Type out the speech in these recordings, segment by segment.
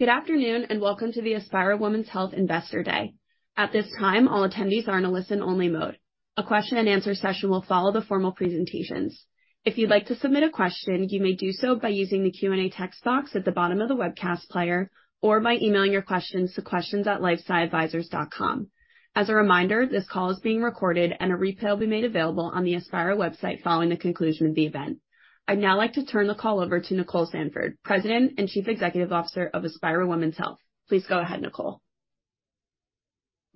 Good afternoon, welcome to the Aspira Women's Health Investor Day. At this time, all attendees are in a listen-only mode. A question-and-answer session will follow the formal presentations. If you'd like to submit a question, you may do so by using the Q&A text box at the bottom of the webcast player or by emailing your questions to questions at lifesciadvisors.com. As a reminder, this call is being recorded and a replay will be made available on the Aspira website following the conclusion of the event. I'd now like to turn the call over to Nicole Sandford, President and Chief Executive Officer of Aspira Women's Health. Please go ahead, Nicole.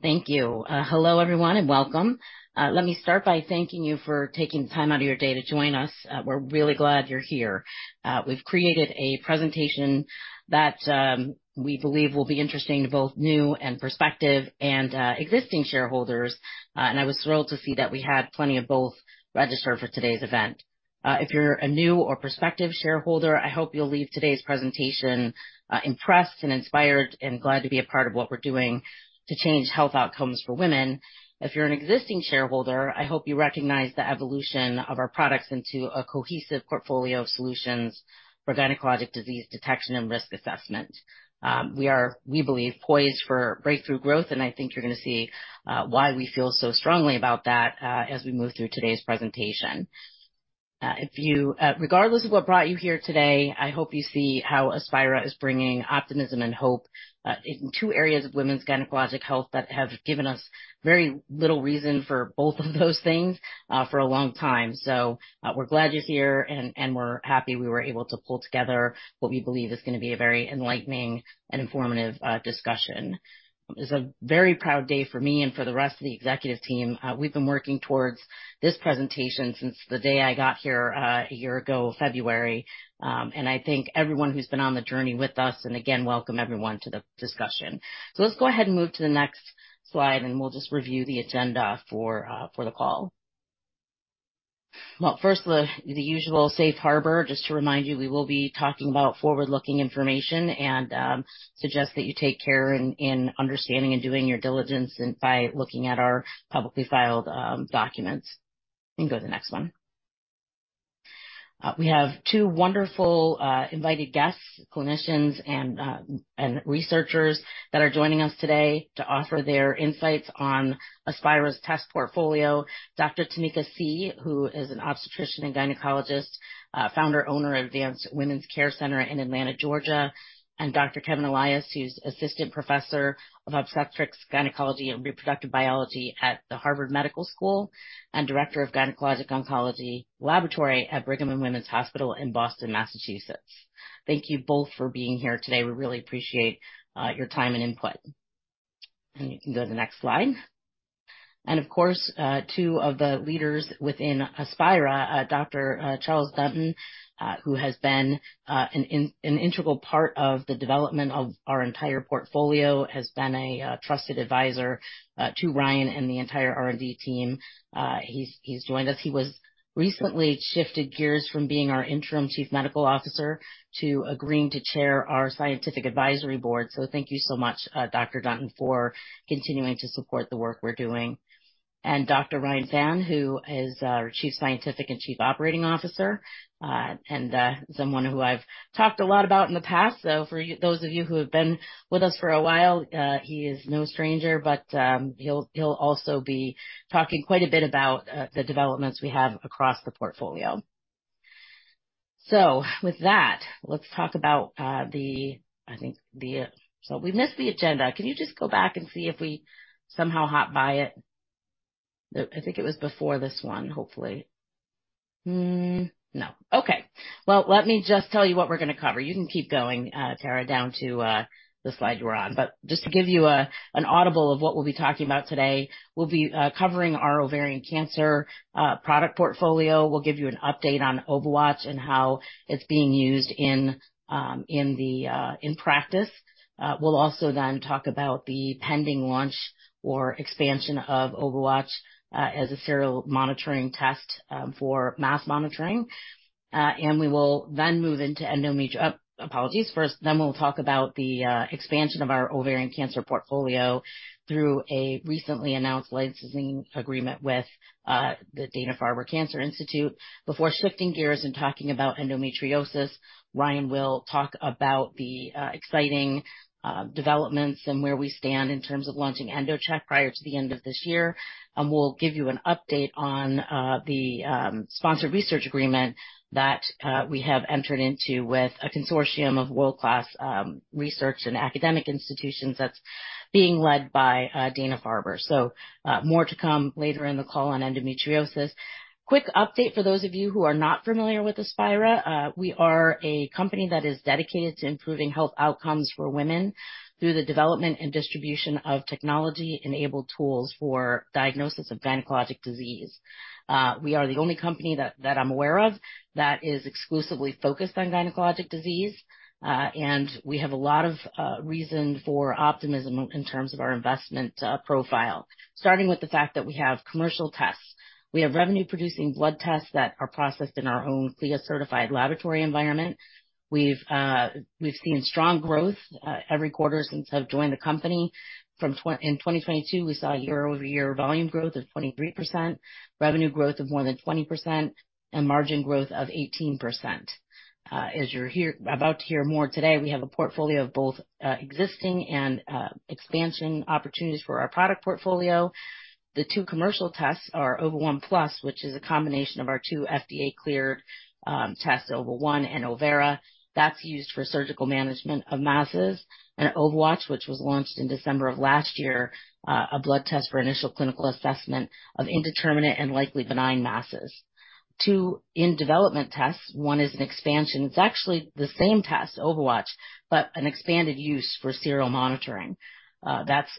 Thank you. Hello everyone, and welcome. Let me start by thanking you for taking time out of your day to join us. We're really glad you're here. We've created a presentation that we believe will be interesting to both new and prospective and existing shareholders. I was thrilled to see that we had plenty of both registered for today's event. If you're a new or prospective shareholder, I hope you'll leave today's presentation impressed and inspired and glad to be a part of what we're doing to change health outcomes for women. If you're an existing shareholder, I hope you recognize the evolution of our products into a cohesive portfolio of solutions for gynecologic disease detection and risk assessment. We are, we believe, poised for breakthrough growth, and I think you're gonna see why we feel so strongly about that as we move through today's presentation. Regardless of what brought you here today, I hope you see how Aspira is bringing optimism and hope in two areas of women's gynecologic health that have given us very little reason for both of those things for a long time. We're glad you're here and we're happy we were able to pull together what we believe is gonna be a very enlightening and informative discussion. It's a very proud day for me and for the rest of the executive team. We've been working towards this presentation since the day I got here a year ago February. I thank everyone who's been on the journey with us. Again, welcome everyone to the discussion. Let's go ahead and move to the next slide, and we'll just review the agenda for the call. Well, first, the usual safe harbor. Just to remind you, we will be talking about forward-looking information and suggest that you take care in understanding and doing your diligence and by looking at our publicly filed documents. You can go to the next one. We have two wonderful invited guests, clinicians and researchers that are joining us today to offer their insights on Aspira test portfolio. Dr. Tamika Seay, who is an obstetrician and gynecologist, founder, owner of Advanced Women's Care Center in Atlanta, Georgia. Dr. Kevin Elias, who's Assistant Professor of Obstetrics, Gynecology and Reproductive Biology at the Harvard Medical School and Director of Gynecologic Oncology Laboratory at Brigham and Women's Hospital in Boston, Massachusetts. Thank you both for being here today. We really appreciate your time and input. You can go to the next slide. Of course, two of the leaders within Aspira, Dr. Charles Dunton, who has been an integral part of the development of our entire portfolio, has been a trusted advisor to Ryan and the entire R&D team. He's joined us. He was recently shifted gears from being our interim chief medical officer to agreeing to chair our scientific advisory board. Thank you so much, Dr. Dunton, for continuing to support the work we're doing. And Dr. Ryan Phan, who is our Chief Scientific and Chief Operating Officer, and someone who I've talked a lot about in the past. For those of you who have been with us for a while, he is no stranger. He'll also be talking quite a bit about the developments we have across the portfolio. With that, let's talk about. We've missed the agenda. Can you just go back and see if we somehow hopped by it? I think it was before this one, hopefully. Hmm, no. Okay. Let me just tell you what we're gonna cover. You can keep going, Tara, down to the slide you were on. Just to give you an audible of what we'll be talking about today, we'll be covering our ovarian cancer product portfolio. We'll give you an update on Ova1 and how it's being used in the in practice. We'll also then talk about the pending launch or expansion of Ova1 as a serial monitoring test for mass monitoring. We will then move into apologies. First, then we'll talk about the expansion of our ovarian cancer portfolio through a recently announced licensing agreement with the Dana-Farber Cancer Institute. Before shifting gears and talking about endometriosis, Ryan will talk about the exciting developments and where we stand in terms of launching EndoCheck prior to the end of this year. We'll give you an update on the sponsored research agreement that we have entered into with a consortium of world-class research and academic institutions that's being led by Dana-Farber. More to come later in the call on endometriosis. Quick update for those of you who are not familiar with Aspira. We are a company that is dedicated to improving health outcomes for women through the development and distribution of technology-enabled tools for diagnosis of gynecologic disease. We are the only company that I'm aware of, that is exclusively focused on gynecologic disease. We have a lot of reason for optimism in terms of our investment profile. Starting with the fact that we have commercial tests. We have revenue-producing blood tests that are processed in our own CLIA-certified laboratory environment. We've seen strong growth every quarter since I've joined the company. In 2022, we saw a year-over-year volume growth of 23%, revenue growth of more than 20%, and margin growth of 18%. As you're about to hear more today, we have a portfolio of both existing and expansion opportunities for our product portfolio. The two commercial tests are Ova1Plus, which is a combination of our two FDA-cleared tests, Ova1 and Overa. That's used for surgical management of masses. OvaWatch, which was launched in December of last year, a blood test for initial clinical assessment of indeterminate and likely benign masses. 2 in development tests. One is an expansion. It's actually the same test, OvaWatch, but an expanded use for serial monitoring. That's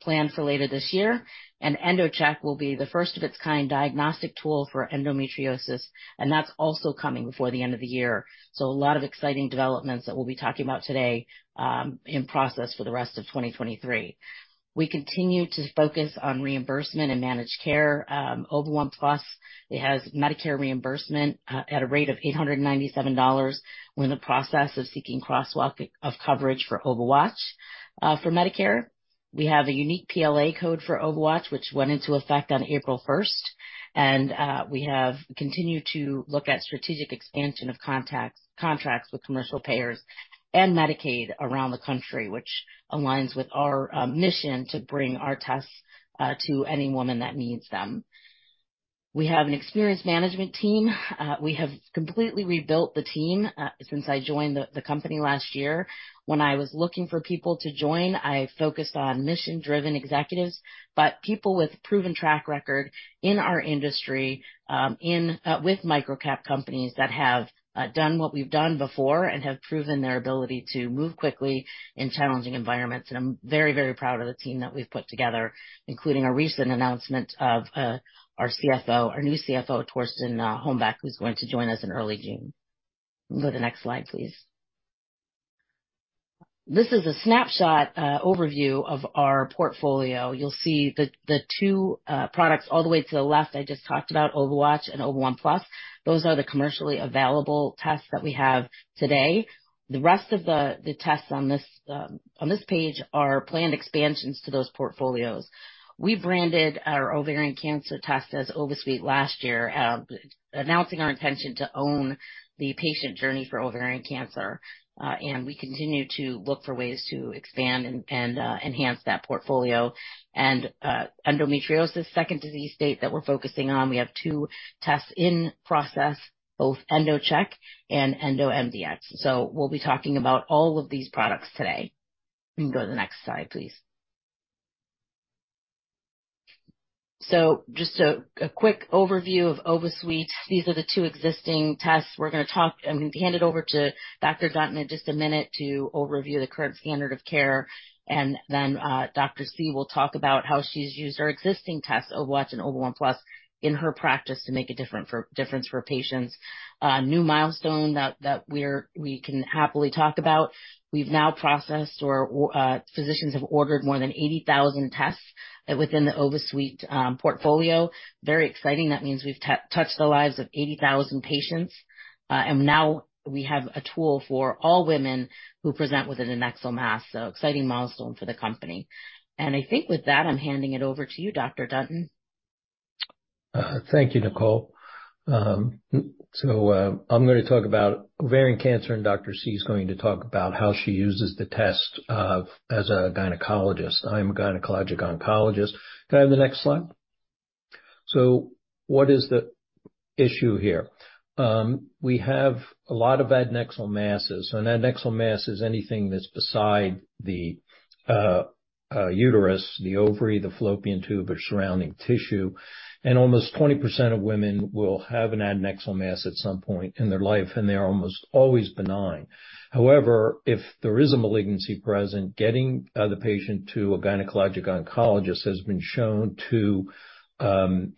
planned for later this year. EndoCheck will be the first of its kind diagnostic tool for endometriosis, and that's also coming before the end of the year. A lot of exciting developments that we'll be talking about today, in process for the rest of 2023. We continue to focus on reimbursement and managed care. Ova1Plus, it has Medicare reimbursement at a rate of $897. We're in the process of seeking crosswalk of coverage for OvaWatch. For Medicare, we have a unique PLA code for OvaWatch, which went into effect on April first. We have continued to look at strategic expansion of contracts with commercial payers and Medicaid around the country, which aligns with our mission to bring our tests to any woman that needs them. We have an experienced management team. We have completely rebuilt the team since I joined the company last year. When I was looking for people to join, I focused on mission-driven executives, but people with proven track record in our industry, with micro-cap companies that have done what we've done before and have proven their ability to move quickly in challenging environments. I'm very, very proud of the team that we've put together, including our recent announcement of our CFO, our new CFO, Torsten Hombeck, who's going to join us in early June. You can go to the next slide, please. This is a snapshot overview of our portfolio. You'll see the two products all the way to the left I just talked about, OvaWatch and Ova1+. Those are the commercially available tests that we have today. The rest of the tests on this page are planned expansions to those portfolios. We branded our ovarian cancer test as OvaSuite last year, announcing our intention to own the patient journey for ovarian cancer. We continue to look for ways to expand and enhance that portfolio. Endometriosis, second disease state that we're focusing on, we have two tests in process, both EndoCheck and EndoMDx. We'll be talking about all of these products today. You can go to the next slide, please. Just a quick overview of OvaSuite. These are the two existing tests. I'm gonna hand it over to Dr. Dunton in just a minute to overview the current standard of care. Dr. Seay will talk about how she's used our existing tests, OvaWatch and Ova1+, in her practice to make a difference for patients. A new milestone that we can happily talk about, we've now processed or physicians have ordered more than 80,000 tests within the OvaSuite portfolio. Very exciting. That means we've touched the lives of 80,000 patients. Now we have a tool for all women who present with an adnexal mass, so exciting milestone for the company. I think with that, I'm handing it over to you, Dr. Dunton. Thank you, Nicole. I'm gonna talk about ovarian cancer, and Dr. Seay is going to talk about how she uses the test as a gynecologist. I'm a gynecologic oncologist. Can I have the next slide? What is the issue here? We have a lot of adnexal masses. An adnexal mass is anything that's beside the uterus, the ovary, the fallopian tube or surrounding tissue, and almost 20% of women will have an adnexal mass at some point in their life, and they're almost always benign. However, if there is a malignancy present, getting the patient to a gynecologic oncologist has been shown to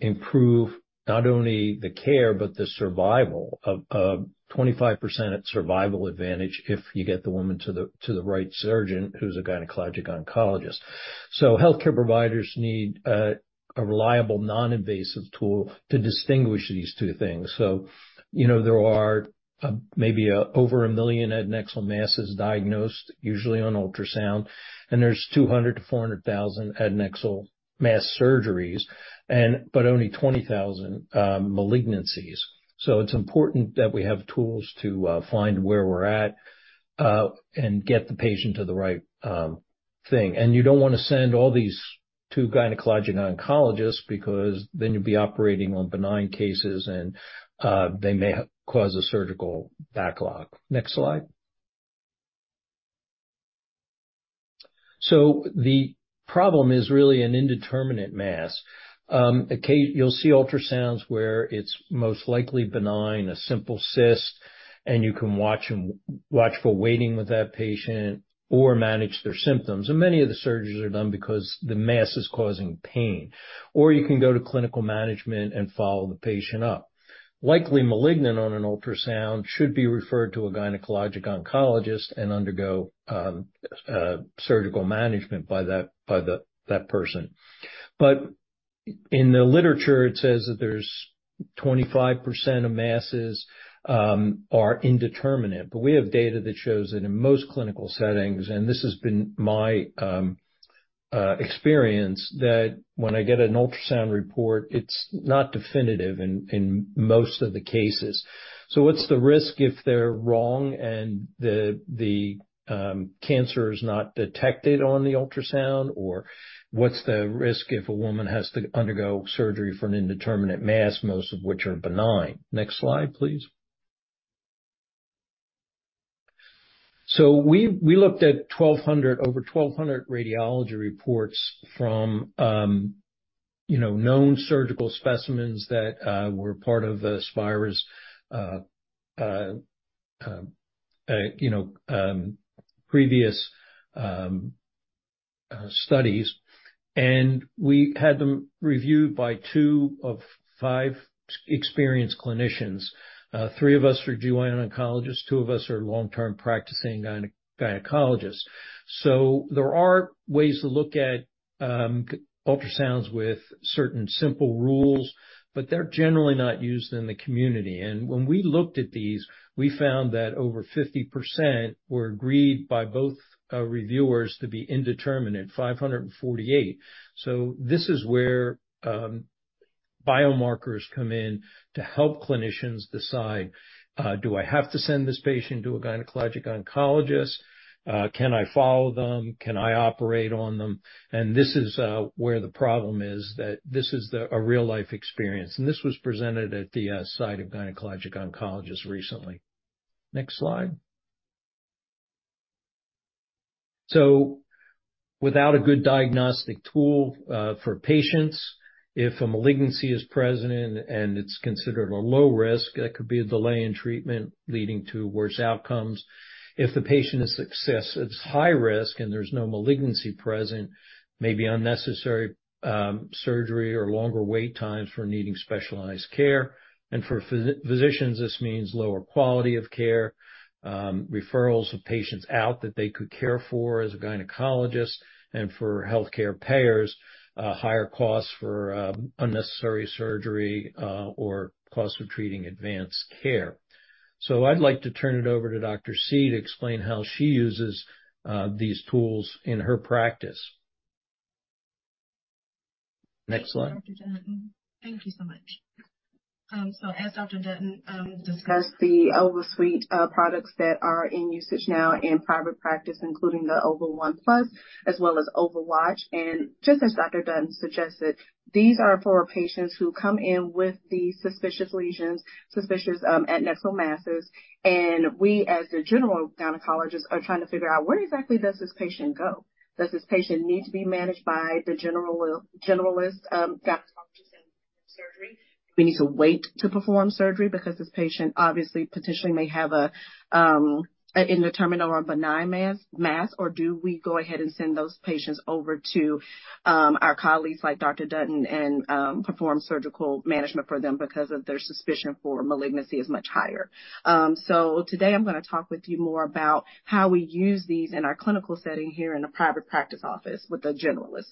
improve not only the care, but the survival of 25% survival advantage if you get the woman to the right surgeon who's a gynecologic oncologist. Healthcare providers need a reliable, non-invasive tool to distinguish these two things. You know, there are maybe over 1 million adnexal masses diagnosed, usually on ultrasound, and there's 200,000-400,000 adnexal mass surgeries but only 20,000 malignancies. It's important that we have tools to find where we're at and get the patient to the right thing. You don't wanna send all these to gynecologic oncologists because then you'll be operating on benign cases and they may cause a surgical backlog. Next slide. The problem is really an indeterminate mass. You'll see ultrasounds where it's most likely benign, a simple cyst, and you can watch for waiting with that patient or manage their symptoms. Many of the surgeries are done because the mass is causing pain. You can go to clinical management and follow the patient up. Likely malignant on an ultrasound should be referred to a gynecologic oncologist and undergo surgical management by that person. In the literature, it says that there's 25% of masses are indeterminate. We have data that shows that in most clinical settings, and this has been my experience, that when I get an ultrasound report, it's not definitive in most of the cases. What's the risk if they're wrong and the cancer is not detected on the ultrasound? What's the risk if a woman has to undergo surgery for an indeterminate mass, most of which are benign? Next slide, please. We looked at over 1,200 radiology reports from, you know, known surgical specimens that were part of Aspira, you know, previous studies. We had them reviewed by 2 of 5 experienced clinicians. 3 of us are GYN oncologists, 2 of us are long-term practicing gynecologists. There are ways to look at ultrasounds with certain simple rules, but they're generally not used in the community. When we looked at these, we found that over 50% were agreed by both reviewers to be indeterminate, 548. This is where biomarkers come in to help clinicians decide, do I have to send this patient to a gynecologic oncologist? Can I follow them? Can I operate on them? This is where the problem is that this is a real-life experience. This was presented at the Society of Gynecologic Oncology recently. Next slide. Without a good diagnostic tool for patients, if a malignancy is present and it's considered a low risk, there could be a delay in treatment leading to worse outcomes. If the patient is high risk and there's no malignancy present, maybe unnecessary surgery or longer wait times for needing specialized care. For physicians, this means lower quality of care, referrals of patients out that they could care for as a gynecologist, and for healthcare payers, higher costs for unnecessary surgery or cost of treating advanced care. I'd like to turn it over to Dr. Seay to explain how she uses these tools in her practice. Next slide. Dr. Dunton. Thank you so much. As Dr. Dunton discussed, the OvaSuite products that are in usage now in private practice, including the Ova1Plus, as well as OvaWatch. Just as Dr. Dunton suggested, these are for patients who come in with the suspicious lesions, suspicious adnexal masses. We, as the general gynecologist, are trying to figure out where exactly does this patient go? Does this patient need to be managed by the general gynecologist and surgery? We need to wait to perform surgery because this patient obviously potentially may have an indeterminate or a benign mass, or do we go ahead and send those patients over to our colleagues like Dr. Dunton and perform surgical management for them because of their suspicion for malignancy is much higher. Today I'm gonna talk with you more about how we use these in our clinical setting here in a private practice office with a generalist.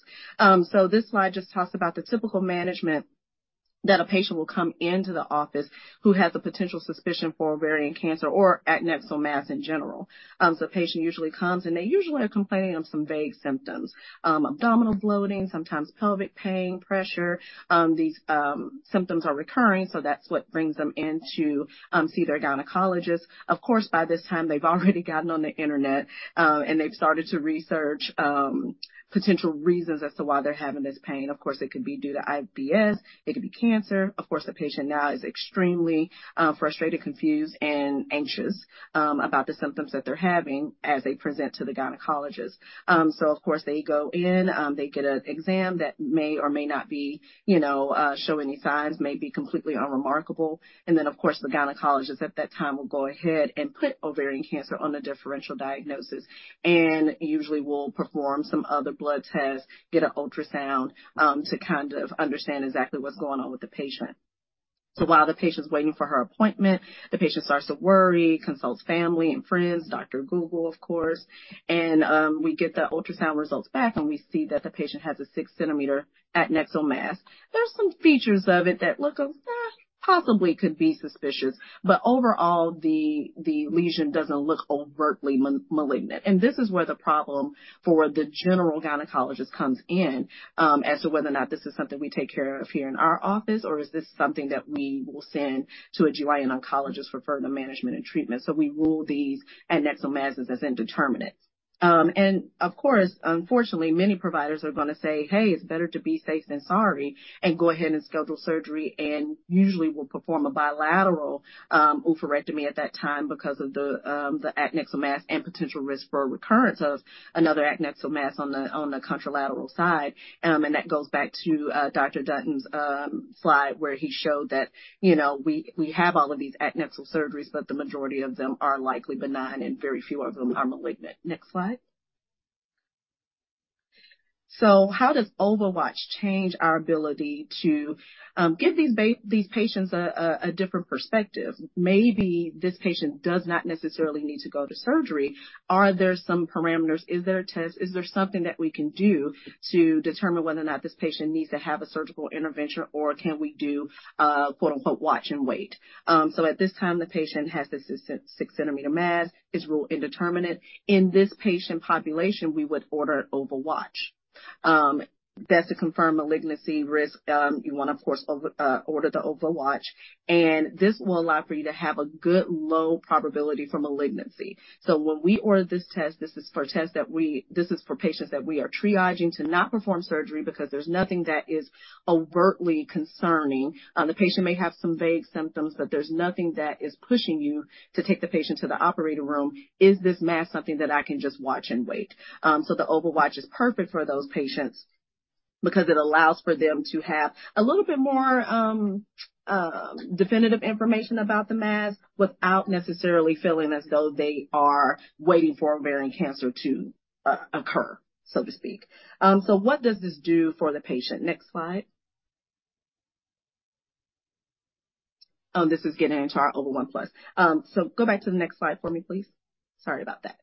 This slide just talks about the typical management that a patient will come into the office who has a potential suspicion for ovarian cancer or adnexal mass in general. Patient usually comes, and they usually are complaining of some vague symptoms, abdominal bloating, sometimes pelvic pain, pressure. These symptoms are recurring, so that's what brings them in to see their gynecologist. Of course, by this time, they've already gotten on the Internet, and they've started to research potential reasons as to why they're having this pain. Of course, it could be due to IBS, it could be cancer. Of course, the patient now is extremely frustrated, confused, and anxious about the symptoms that they're having as they present to the gynecologist. Of course, they go in, they get an exam that may or may not be, you know, show any signs, may be completely unremarkable. Then, of course, the gynecologist at that time will go ahead and put ovarian cancer on a differential diagnosis. Usually we'll perform some other blood tests, get an ultrasound, to kind of understand exactly what's going on with the patient. While the patient's waiting for her appointment, the patient starts to worry, consults family and friends, Dr. Google, of course. We get the ultrasound results back, and we see that the patient has a 6-centimeter adnexal mass. There are some features of it that look possibly could be suspicious, but overall, the lesion doesn't look overtly malignant. This is where the problem for the general gynecologist comes in as to whether or not this is something we take care of here in our office or is this something that we will send to a GYN oncologist for further management and treatment. We rule these adnexal masses as indeterminate. Of course, unfortunately, many providers are gonna say, "Hey, it's better to be safe than sorry," and go ahead and schedule surgery, and usually we'll perform a bilateral oophorectomy at that time because of the adnexal mass and potential risk for recurrence of another adnexal mass on the contralateral side. That goes back to Dr. Dunton's slide, where he showed that, you know, we have all of these adnexal surgeries, but the majority of them are likely benign and very few of them are malignant. Next slide. How does OvaWatch change our ability to give these patients a different perspective? Maybe this patient does not necessarily need to go to surgery. Are there some parameters? Is there a test? Is there something that we can do to determine whether or not this patient needs to have a surgical intervention or can we do, quote-unquote, watch and wait? At this time, the patient has this 6-centimeter mass, is ruled indeterminate. In this patient population, we would order OvaWatch. That's to confirm malignancy risk. You wanna, of course, order the OvaWatch, and this will allow for you to have a good low probability for malignancy. When we order this test, this is for patients that we are triaging to not perform surgery because there's nothing that is overtly concerning. The patient may have some vague symptoms, but there's nothing that is pushing you to take the patient to the operating room. Is this mass something that I can just watch and wait? The OvaWatch is perfect for those patients. Because it allows for them to have a little bit more definitive information about the mass without necessarily feeling as though they are waiting for ovarian cancer to occur, so to speak. What does this do for the patient? Next slide. This is getting into our Ova1Plus. Go back to the next slide for me, please. Sorry about that.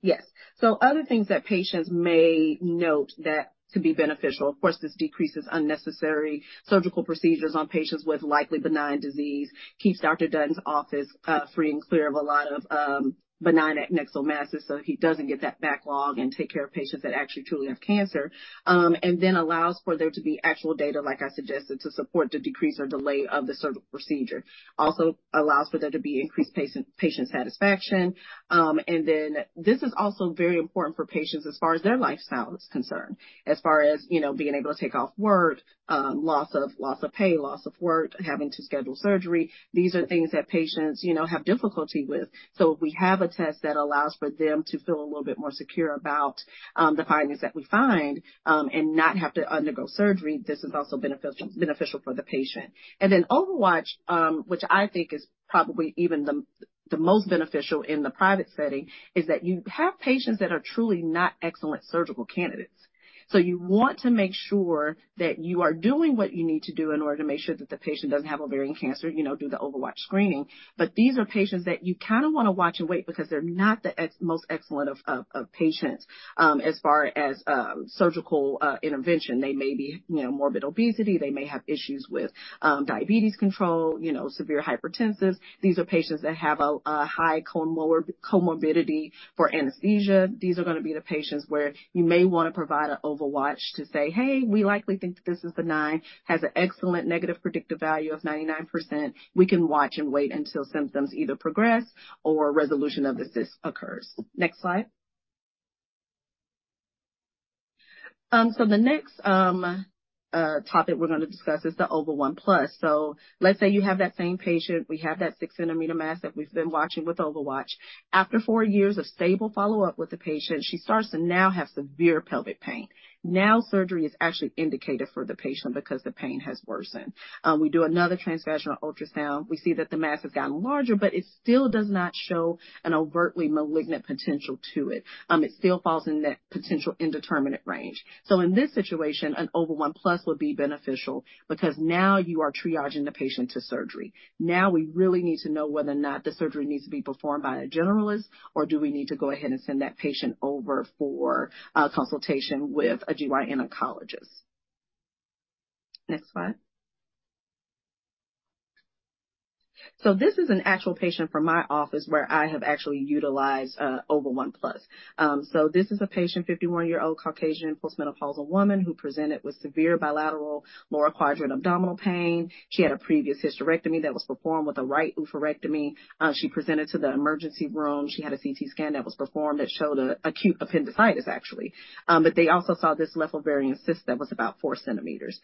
Yes. Other things that patients may note that could be beneficial. Of course, this decreases unnecessary surgical procedures on patients with likely benign disease. Keeps Dr. Dunton's office free and clear of a lot of benign adnexal masses, so he doesn't get that backlog and take care of patients that actually truly have cancer. Allows for there to be actual data, like I suggested, to support the decrease or delay of the surgical procedure. Also allows for there to be increased patient satisfaction. This is also very important for patients as far as their lifestyle is concerned, as far as, you know, being able to take off work, loss of pay, loss of work, having to schedule surgery. These are things that patients, you know, have difficulty with. If we have a test that allows for them to feel a little bit more secure about, the findings that we find, and not have to undergo surgery, this is also beneficial for the patient. OvaWatch, which I think is probably even the most beneficial in the private setting, is that you have patients that are truly not excellent surgical candidates. You want to make sure that you are doing what you need to do in order to make sure that the patient doesn't have ovarian cancer, you know, do the OvaWatch screening. These are patients that you kinda wanna watch and wait because they're not the most excellent of patients, as far as surgical intervention. They may be, you know, morbid obesity. They may have issues with diabetes control, you know, severe hypertensive. These are patients that have a high comorbidity for anesthesia. These are gonna be the patients where you may wanna provide an OvaWatch to say, "Hey, we likely think that this is benign. Has an excellent negative predictive value of 99%." We can watch and wait until symptoms either progress or a resolution of the cyst occurs. Next slide. The next topic we're gonna discuss is the Ova1Plus. Let's say you have that same patient. We have that 6-millimeter mass that we've been watching with OvaWatch. After 4 years of stable follow-up with the patient, she starts to now have severe pelvic pain. Surgery is actually indicated for the patient because the pain has worsened. We do another transvaginal ultrasound. We see that the mass has gotten larger, but it still does not show an overtly malignant potential to it. It still falls in that potential indeterminate range. In this situation, an Ova1Plus would be beneficial because now you are triaging the patient to surgery. Now we really need to know whether or not the surgery needs to be performed by a generalist or do we need to go ahead and send that patient over for a consultation with a gynecologic oncologist. Next slide. This is an actual patient from my office where I have actually utilized Ova1Plus. This is a patient, 51-year-old Caucasian post-menopausal woman who presented with severe bilateral lower quadrant abdominal pain. She had a previous hysterectomy that was performed with a right oophorectomy. She presented to the emergency room. She had a CT scan that was performed that showed acute appendicitis, actually. They also saw this left ovarian cyst that was about 4 centimeters.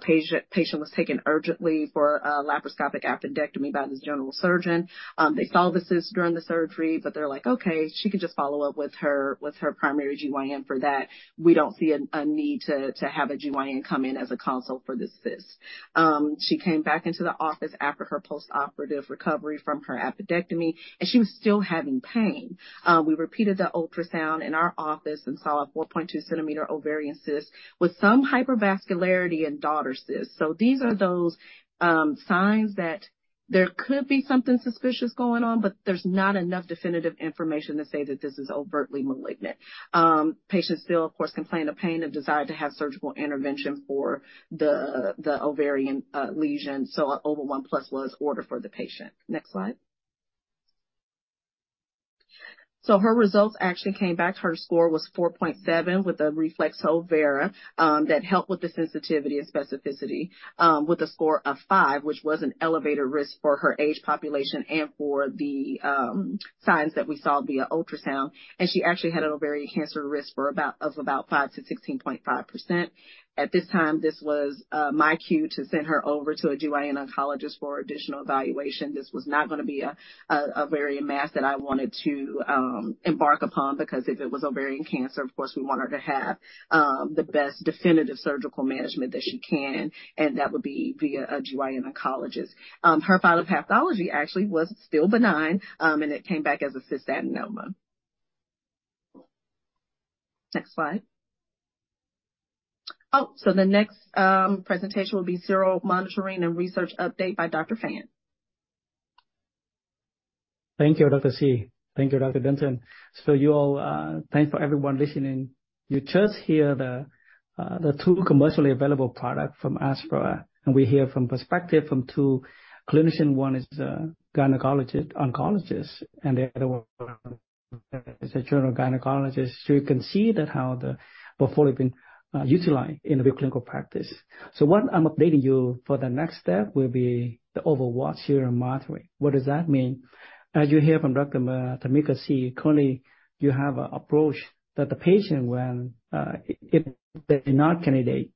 Patient was taken urgently for a laparoscopic appendectomy by this general surgeon. They saw the cyst during the surgery, but they're like, "Okay, she can just follow up with her, with her primary GYN for that. We don't see a need to have a GYN come in as a consult for this cyst." She came back into the office after her post-operative recovery from her appendectomy, and she was still having pain. We repeated the ultrasound in our office and saw a 4.2 centimeter ovarian cyst with some hypervascularity and daughter cyst. These are those signs that there could be something suspicious going on, but there's not enough definitive information to say that this is overtly malignant. Patient still, of course, complained of pain and desire to have surgical intervention for the ovarian lesion. An Ova1Plus was ordered for the patient. Next slide. Her results actually came back. Her score was 4.7 with a reflex Overa that helped with the sensitivity and specificity with a score of 5, which was an elevated risk for her age population and for the signs that we saw via ultrasound. She actually had an ovarian cancer risk of about 5-16.5%. At this time, this was my cue to send her over to a GYN oncologist for additional evaluation. This was not gonna be a ovarian mass that I wanted to embark upon because if it was ovarian cancer, of course, we want her to have the best definitive surgical management that she can. That would be via a gynecologic oncologist. Her final pathology actually was still benign. It came back as a cystadenoma. Next slide. The next presentation will be Serial Monitoring and Research Update by Dr. Phan. Thank you, Dr. Seay. Thank you, Dr. Dunton. You all, thanks for everyone listening. You just hear the two commercially available product from Aspira, and we hear from perspective from two clinicians. One is a gynecologic oncologist, and the other one is a general gynecologist. You can see that how the portfolio been utilized in the clinical practice. What I'm updating you for the next step will be the OvaWatch Serial Monitoring. What does that mean? As you hear from Dr. Tamika Seay, currently you have an approach that the patient when, if they're not candidate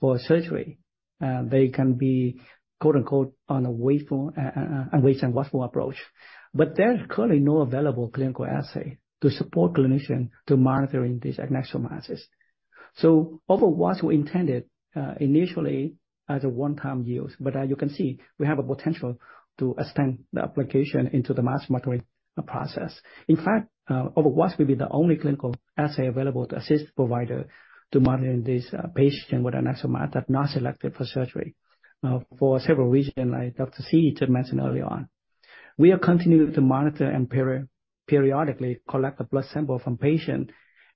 for surgery, they can be, quote-unquote, on a wait for a wait-and-watchful approach. There is currently no available clinical assay to support clinician to monitoring these adnexal masses. OvaWatch we intended initially as a one-time use, but as you can see, we have a potential to extend the application into the mass monitoring process. In fact, OvaWatch will be the only clinical assay available to assist provider to monitoring this patient with adnexal mass that are not selected for surgery for several reasons, like Dr. Seay mentioned early on. We are continuing to monitor and peri-periodically collect a blood sample from patient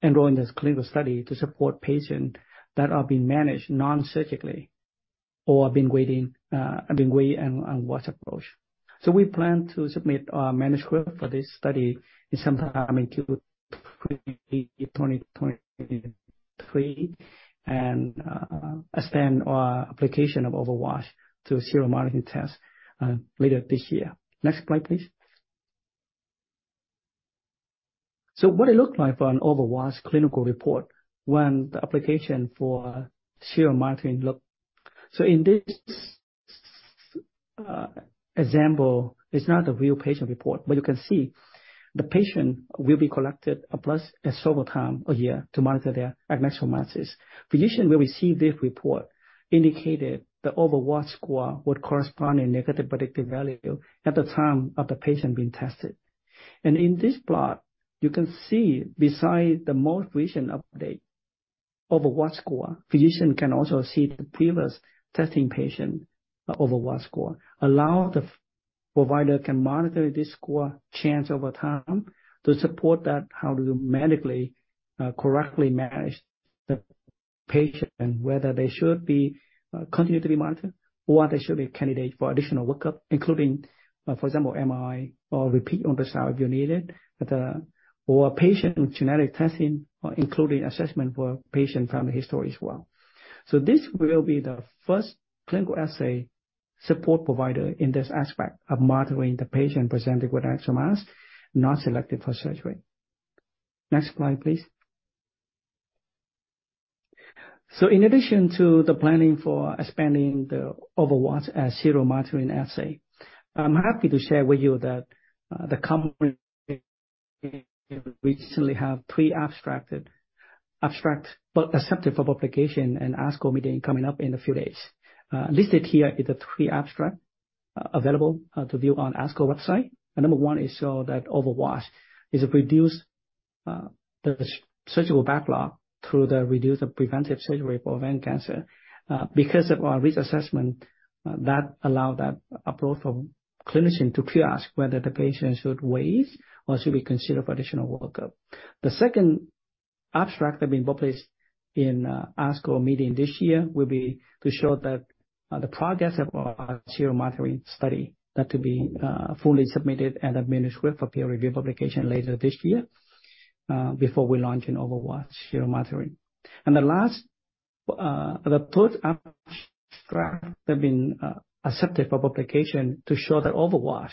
enrolled in this clinical study to support patients that are being managed non-surgically or have been wait-and-watch approach. We plan to submit our manuscript for this study in sometime in Q3 2023, and expand our application of OvaWatch to serial monitoring test later this year. Next slide, please. What it looks like for an OvaWatch clinical report when the application for serial monitoring look. In this example, it's not the real patient report, but you can see the patient will be collected a blood several times a year to monitor their adnexal masses. Physician will receive this report indicated the OvaWatch score would correspond a negative predictive value at the time of the patient being tested. In this plot, you can see beside the most recent update OvaWatch score, physician can also see the previous testing patient, OvaWatch score. Allow the provider can monitor this score trends over time to support that how to medically correctly manage the patient, whether they should be continually monitor or they should be a candidate for additional workup, including, for example, MRI or repeat ultrasound if you need it. or a patient with genetic testing, including assessment for patient family history as well. This will be the first clinical assay support provider in this aspect of monitoring the patient presented with adnexal mass not selected for surgery. Next slide, please. In addition to the planning for expanding the OvaWatch as serial monitoring assay, I'm happy to share with you that the company recently have three abstracted abstract accepted for publication in ASCO meeting coming up in a few days. Listed here is the three abstract available to view on ASCO website. Number one is show that OvaWatch is reduce the surgical backlog through the reduce of preventive surgery for ovarian cancer, because of our risk assessment that allow that approach for clinician to triage whether the patient should wait or should be considered for additional work-up. The second abstract that been published in ASCO meeting this year will be to show that the progress of our serial monitoring study that will be fully submitted and a manuscript for peer-review publication later this year before we launch in OvaWatch serial monitoring. The last, the third abstract that have been accepted for publication to show that OvaWatch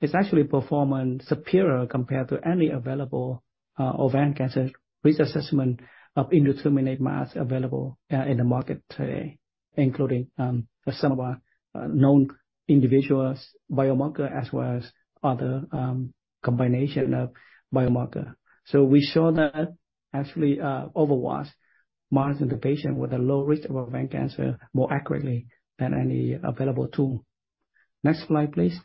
is actually performing superior compare to any available ovarian cancer risk assessment of indeterminate mass available in the market today, including some of our known individual biomarker as well as other combination of biomarker. We show that actually OvaWatch monitoring the patient with a low risk of ovarian cancer more accurately than any available tool. Next slide, please.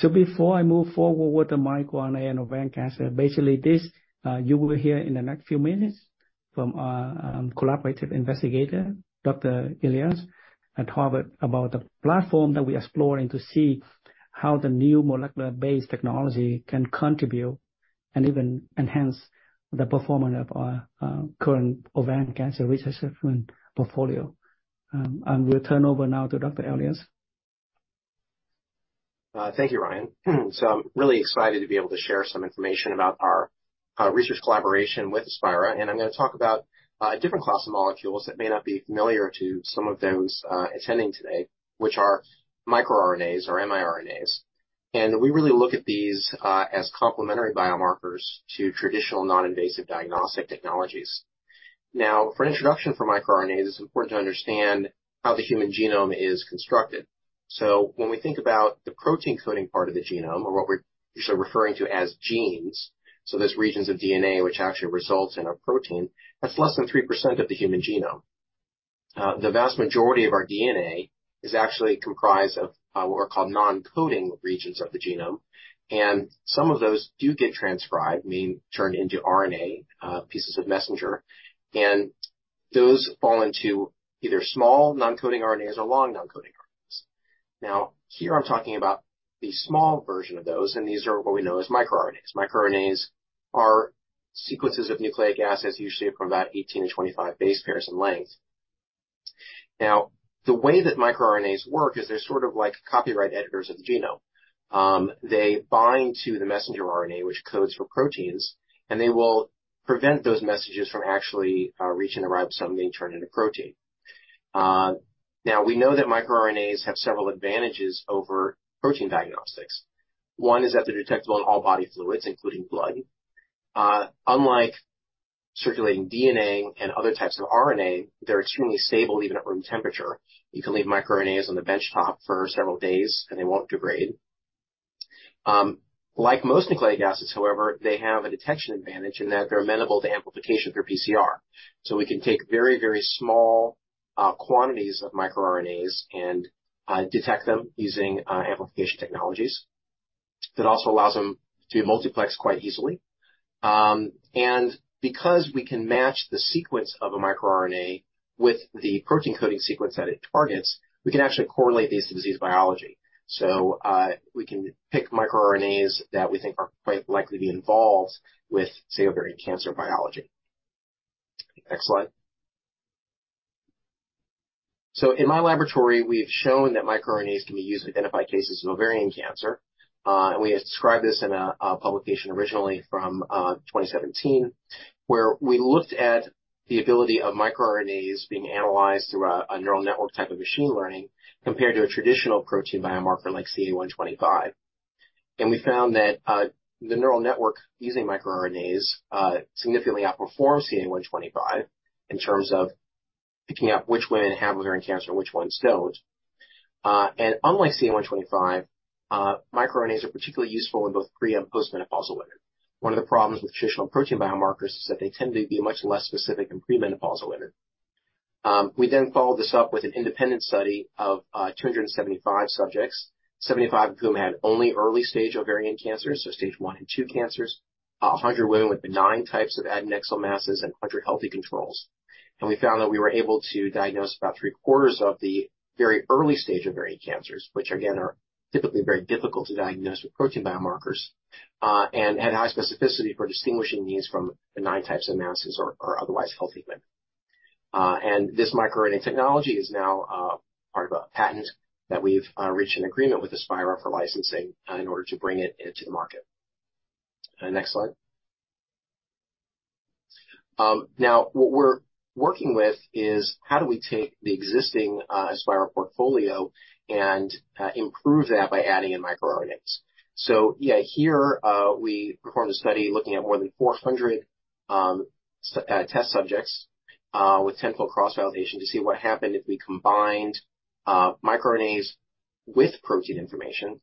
Before I move forward with the microRNA and ovarian cancer, basically this, you will hear in the next few minutes from our collaborative investigator, Dr. Elias, at Harvard, about the platform that we're exploring to see how the new molecular-based technology can contribute and even enhance the performance of our current ovarian cancer research assessment portfolio. I will turn over now to Dr. Elias. Thank you, Ryan. I'm really excited to be able to share some information about our research collaboration with Aspira. I'm gonna talk about different class of molecules that may not be familiar to some of those attending today, which are microRNAs or miRNAs. We really look at these as complementary biomarkers to traditional non-invasive diagnostic technologies. Now, for an introduction for microRNAs, it's important to understand how the human genome is constructed. When we think about the protein coding part of the genome or what we're usually referring to as genes, there's regions of DNA which actually results in a protein, that's less than 3% of the human genome. The vast majority of our DNA is actually comprised of what are called non-coding regions of the genome, and some of those do get transcribed, meaning turned into RNA, pieces of messenger. Those fall into either small non-coding RNAs or long non-coding RNAs. Now, here I'm talking about the small version of those, and these are what we know as microRNAs. microRNAs are sequences of nucleic acids, usually from about 18-25 base pairs in length. Now, the way that microRNAs work is they're sort of like copyright editors of the genome. They bind to the messenger RNA, which codes for proteins, and they will prevent those messages from actually reaching the ribosome being turned into protein. Now we know that microRNAs have several advantages over protein diagnostics. One is that they're detectable in all body fluids, including blood. Unlike circulating DNA and other types of RNA, they're extremely stable, even at room temperature. You can leave microRNAs on the benchtop for several days, and they won't degrade. Like most nucleic acids, however, they have a detection advantage in that they're amenable to amplification through PCR. We can take very, very small quantities of microRNAs and detect them using amplification technologies. That also allows them to be multiplexed quite easily. Because we can match the sequence of a microRNA with the protein coding sequence that it targets, we can actually correlate these to disease biology. We can pick microRNAs that we think are quite likely to be involved with, say, ovarian cancer biology. Next slide. In my laboratory, we have shown that microRNAs can be used to identify cases of ovarian cancer. We described this in a publication originally from 2017, where we looked at the ability of microRNAs being analyzed through a neural network type of machine learning compared to a traditional protein biomarker like CA 125. We found that the neural network using microRNAs significantly outperforms CA 125 in terms of picking up which women have ovarian cancer and which ones don't. Unlike CA 125, microRNAs are particularly useful in both pre and post-menopausal women. One of the problems with traditional protein biomarkers is that they tend to be much less specific in pre-menopausal women. We then followed this up with an independent study of 275 subjects, 75 of whom had only early stage ovarian cancer, so stage 1 and 2 cancers, 100 women with benign types of adnexal masses and 100 healthy controls. We found that we were able to diagnose about 3/4 of the very early stage ovarian cancers, which again, are typically very difficult to diagnose with protein biomarkers and had high specificity for distinguishing these from benign types of masses or otherwise healthy women. This microRNA technology is now part of a patent that we've reached an agreement with Aspira for licensing in order to bring it into the market. Next slide. Now what we're working with is how do we take the existing Aspira portfolio and improve that by adding in microRNAs. Here, we performed a study looking at more than 400 test subjects with 10-fold cross-validation to see what happened if we combined microRNAs with protein information.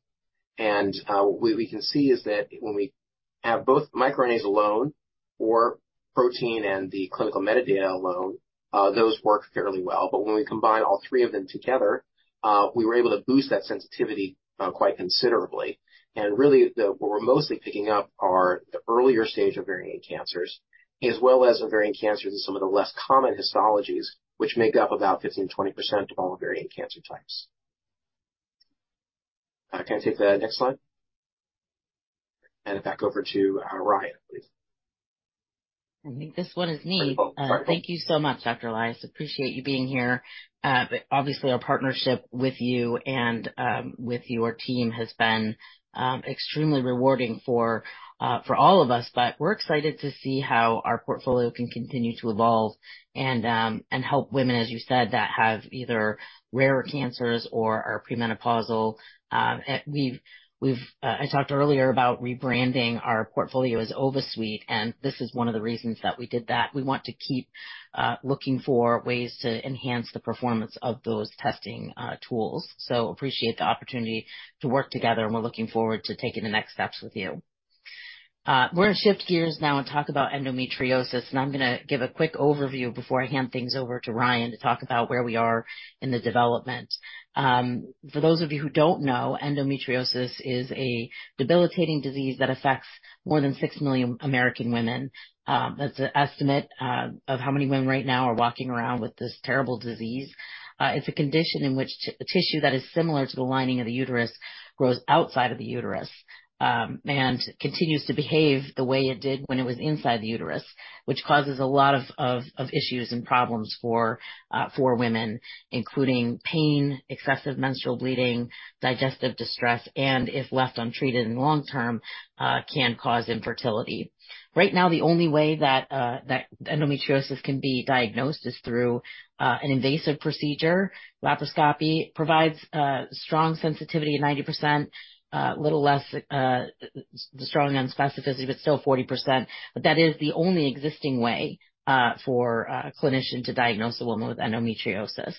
What we can see is that when we have both microRNAs alone or protein and the clinical metadata alone, those work fairly well. When we combine all three of them together, we were able to boost that sensitivity quite considerably. What we're mostly picking up are the earlier stage ovarian cancers, as well as ovarian cancers in some of the less common histologies, which make up about 15%-20% of all ovarian cancer types. Can I take the next slide? Hand it back over to Ryan, please. I think this one is me. Wonderful. Thank you so much, Dr. Elias. Appreciate you being here. Obviously, our partnership with you and with your team has been extremely rewarding for all of us. We're excited to see how our portfolio can continue to evolve and help women, as you said, that have either rarer cancers or are pre-menopausal. I talked earlier about rebranding our portfolio as OvaSuite. This is one of the reasons that we did that. We want to keep looking for ways to enhance the performance of those testing tools. Appreciate the opportunity to work together, and we're looking forward to taking the next steps with you. We're gonna shift gears now and talk about endometriosis, and I'm gonna give a quick overview before I hand things over to Ryan to talk about where we are in the development. For those of you who don't know, endometriosis is a debilitating disease that affects more than 6 million American women. That's an estimate of how many women right now are walking around with this terrible disease. It's a condition in which tissue that is similar to the lining of the uterus grows outside of the uterus, and continues to behave the way it did when it was inside the uterus, which causes a lot of issues and problems for women, including pain, excessive menstrual bleeding, digestive distress, and if left untreated in the long term, can cause infertility. Right now, the only way that endometriosis can be diagnosed is through an invasive procedure. Laparoscopy provides strong sensitivity at 90%, little less strong on specificity, but still 40%. That is the only existing way for a clinician to diagnose a woman with endometriosis.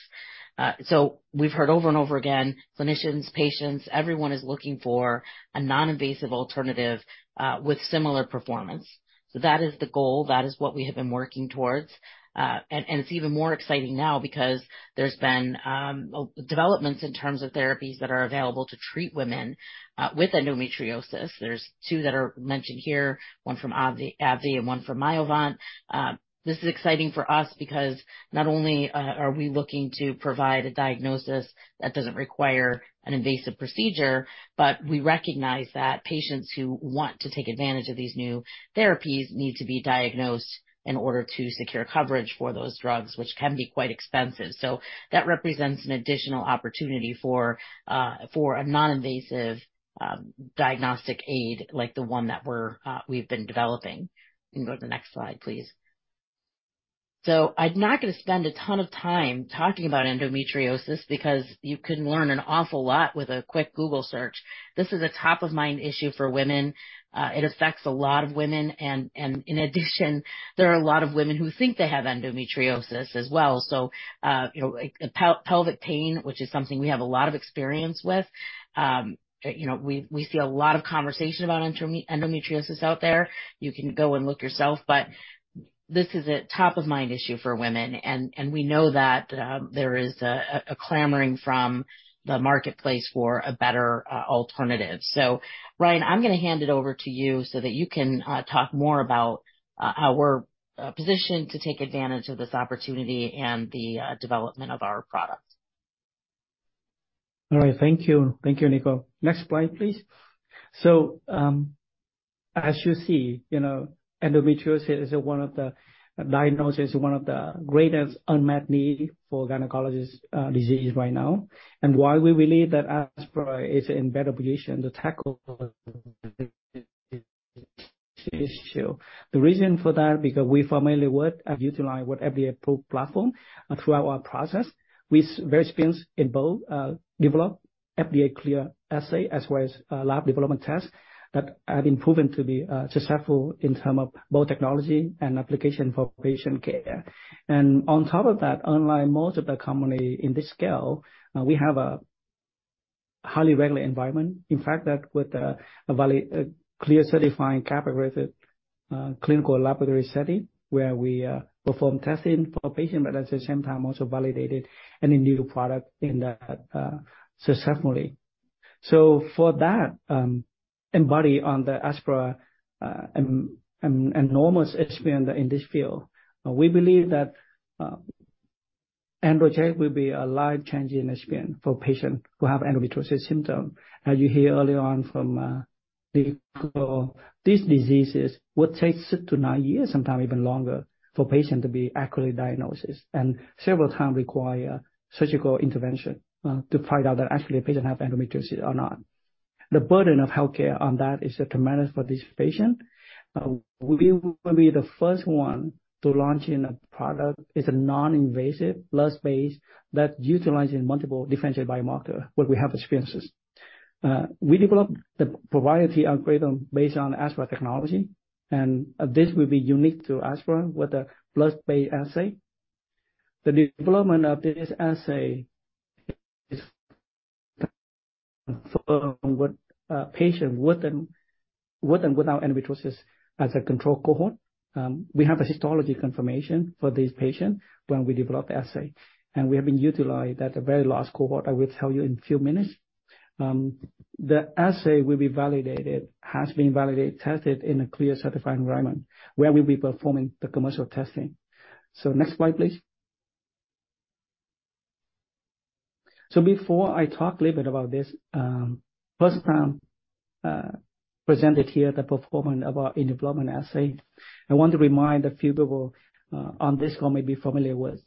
We've heard over and over again, clinicians, patients, everyone is looking for a non-invasive alternative with similar performance. That is the goal. That is what we have been working towards. And it's even more exciting now because there's been developments in terms of therapies that are available to treat women with endometriosis. There's 2 that are mentioned here, one from AbbVie and one from Myovant. This is exciting for us because not only are we looking to provide a diagnosis that doesn't require an invasive procedure, but we recognize that patients who want to take advantage of these new therapies need to be diagnosed in order to secure coverage for those drugs, which can be quite expensive. That represents an additional opportunity for a non-invasive diagnostic aid like the one that we've been developing. You can go to the next slide, please. I'm not gonna spend a ton of time talking about endometriosis, because you can learn an awful lot with a quick Google search. This is a top of mind issue for women. It affects a lot of women. In addition, there are a lot of women who think they have endometriosis as well. you know, pelvic pain, which is something we have a lot of experience with, you know, we see a lot of conversation about endometriosis out there. You can go and look yourself, but this is a top of mind issue for women, and we know that there is a clamoring from the marketplace for a better alternative. Ryan, I'm gonna hand it over to you so that you can talk more about our position to take advantage of this opportunity and the development of our products. All right. Thank you. Thank you, Nicole. Next slide, please. As you see, you know, endometriosis is one of the diagnoses, one of the greatest unmet need for gynecologic disease right now. Why we believe that Aspira is in better position to tackle this issue. The reason for that, because we familiar work and utilize with FDA-approved platform throughout our process with various experience in both, develop FDA-cleared assay as well as, lab-developed tests that have been proven to be successful in term of both technology and application for patient care. On top of that, unlike most of the company in this scale, we have a highly regular environment, in fact, that with a clear certified CAP-accredited clinical laboratory setting where we perform testing for patient, but at the same time also validated any new product in that successfully. For that, embody on the Aspira enormous experience in this field, we believe that EndoCheck will be a life-changing experience for patients who have endometriosis symptom. As you hear earlier on from Nicole, these diseases would take 6 to 9 years, sometime even longer for patient to be accurately diagnosed. Several times require surgical intervention to find out that actually a patient have endometriosis or not. The burden of healthcare on that is tremendous for this patient. we will be the first to launch in a product, is a non-invasive blood-based that utilize in multiple differentiated biomarker where we have experiences. we developed the proprietary algorithm based on Aspira technology, this will be unique to Aspira with a blood-based assay. The development of this assay is from what, patient with and without endometriosis as a control cohort. we have a histology confirmation for this patient when we develop the assay, we have been utilized at the very last cohort, I will tell you in few minutes. the assay will be validated, has been validated, tested in a CLIA certified environment where we'll be performing the commercial testing. Next slide, please. before I talk a little bit about this, first time, presented here the performance of our in-development assay. I want to remind a few people on this call may be familiar with.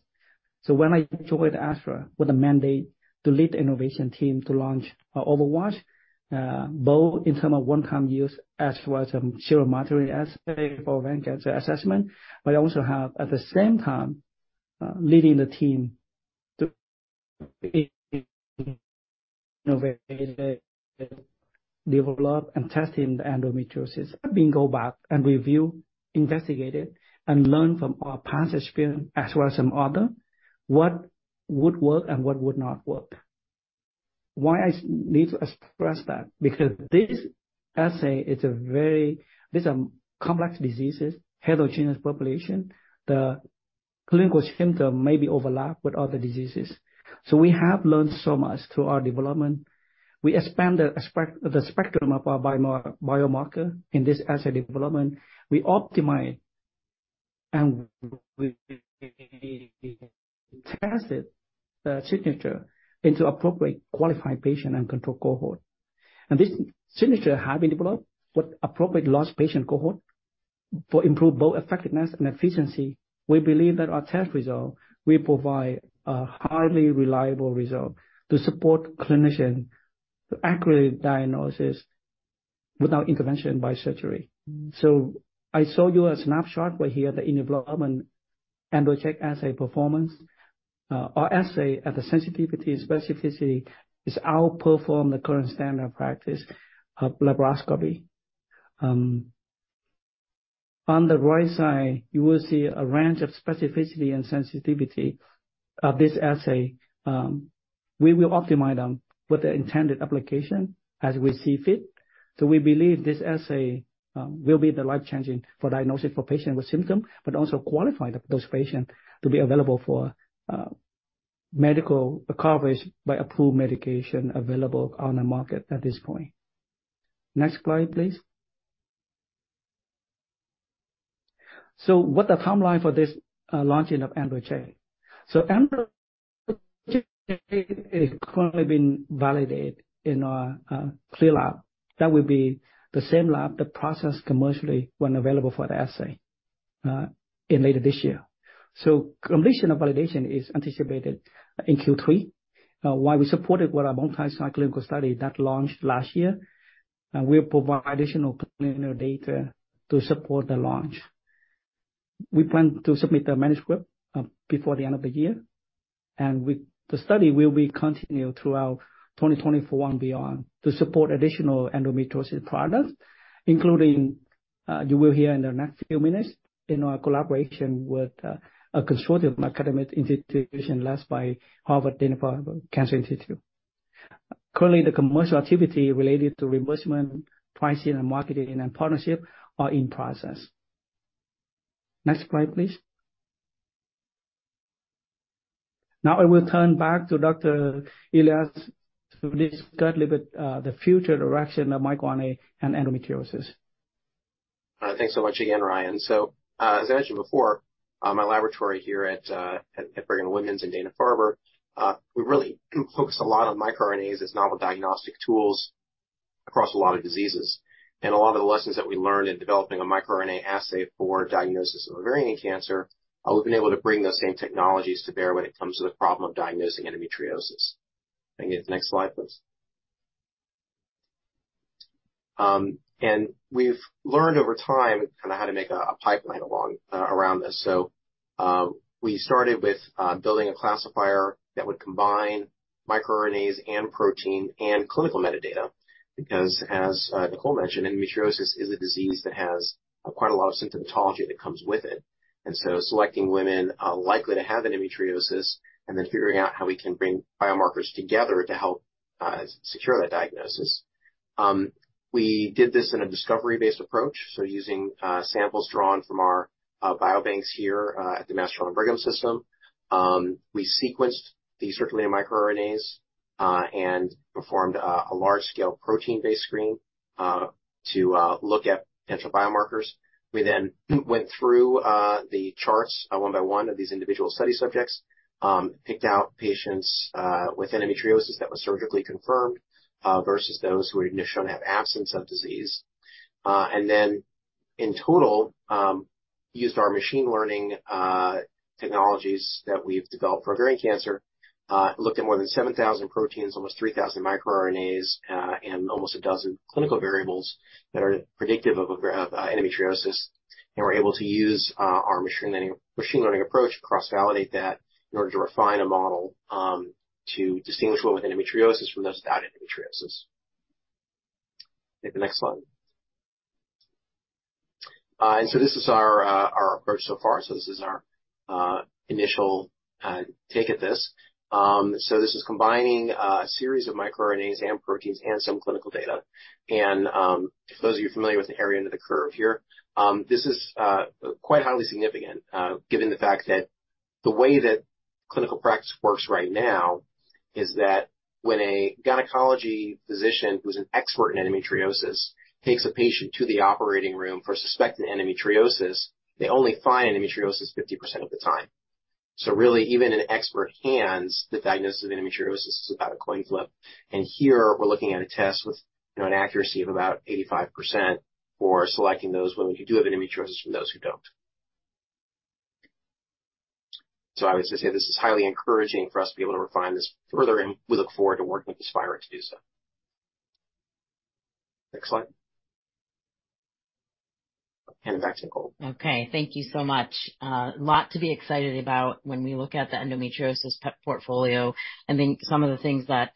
When I joined Aspira with a mandate to lead the innovation team to launch OvaWatch, both in term of one-time use as well as a serial monitoring assay for lung cancer assessment. I also have at the same time, leading the team to innovate, develop, and testing the endometriosis, and then go back and review, investigate it, and learn from our past experience as well as some other what would work and what would not work. Why I need to express that? This assay, it's these are complex diseases, heterogeneous population. The clinical symptom may be overlap with other diseases. We have learned so much through our development. We expand the spectrum of our biomarker in this assay development. We optimize and we test the signature into appropriate qualified patient and control cohort. This signature have been developed with appropriate large patient cohort for improve both effectiveness and efficiency. We believe that our test result will provide a highly reliable result to support clinician to accurately diagnosis without intervention by surgery. I show you a snapshot where here the in-development EndoCheck assay performance. Our assay at the sensitivity and specificity is outperform the current standard practice of laparoscopy. On the right side, you will see a range of specificity and sensitivity of this assay. We will optimize them with the intended application as we see fit. We believe this assay will be the life-changing for diagnosis for patient with symptom. Also qualify those patients to be available for medical coverage by approved medication available on the market at this point. Next slide, please. What the timeline for this launching of EndoCheck? EndoCheck is currently being validated in our CLIA lab. That will be the same lab that process commercially when available for the assay in later this year. Completion of validation is anticipated in Q3. We supported with our multi-cycle clinical study that launched last year. We'll provide additional clinical data to support the launch. We plan to submit the manuscript before the end of the year, the study will be continued throughout 2021 beyond to support additional endometriosis products, including, you will hear in the next few minutes in our collaboration with a consortium academic institution led by Harvard Dana-Farber Cancer Institute. Currently, the commercial activity related to reimbursement, pricing and marketing, and partnership are in process. Next slide, please. Now I will turn back to Dr. Elias to discuss a little bit the future direction of microRNA and endometriosis. Thanks so much again, Ryan. As I mentioned before, my laboratory here at Brigham and Women's and Dana-Farber, we really focus a lot on microRNAs as novel diagnostic tools across a lot of diseases. A lot of the lessons that we learned in developing a microRNA assay for diagnosis of ovarian cancer, we've been able to bring those same technologies to bear when it comes to the problem of diagnosing endometriosis. Can I get the next slide, please. We've learned over time kinda how to make a pipeline along around this. We started with building a classifier that would combine microRNAs and protein and clinical metadata, because as Nicole mentioned, endometriosis is a disease that has quite a lot of symptomatology that comes with it. Selecting women likely to have endometriosis and then figuring out how we can bring biomarkers together to help secure that diagnosis. We did this in a discovery-based approach, so using samples drawn from our biobanks here at the Mass General Brigham. We sequenced the circulating microRNAs and performed a large-scale protein-based screen to look at potential biomarkers. We then went through the charts one by one of these individual study subjects, picked out patients with endometriosis that was surgically confirmed versus those who were initially shown to have absence of disease. In total, used our machine learning technologies that we've developed for ovarian cancer, looked at more than 7,000 proteins, almost 3,000 microRNAs, and almost a dozen clinical variables that are predictive of endometriosis, and we're able to use our machine learning approach, cross-validate that in order to refine a model to distinguish well with endometriosis from those without endometriosis. Take the next slide. This is our approach so far. This is our initial take at this. This is combining a series of microRNAs and proteins and some clinical data. For those of you familiar with the area under the curve here, this is quite highly significant, given the fact that the way that clinical practice works right now is that when a gynecology physician who's an expert in endometriosis takes a patient to the operating room for suspected endometriosis, they only find endometriosis 50% of the time. Really even in expert hands, the diagnosis of endometriosis is about a coin flip. Here we're looking at a test with, you know, an accuracy of about 85% for selecting those women who do have endometriosis from those who don't. I would just say this is highly encouraging for us to be able to refine this further, and we look forward to working with Aspira to do so. Next slide. Hand it back to Nicole. Okay, thank you so much. Lot to be excited about when we look at the endometriosis portfolio, and then some of the things that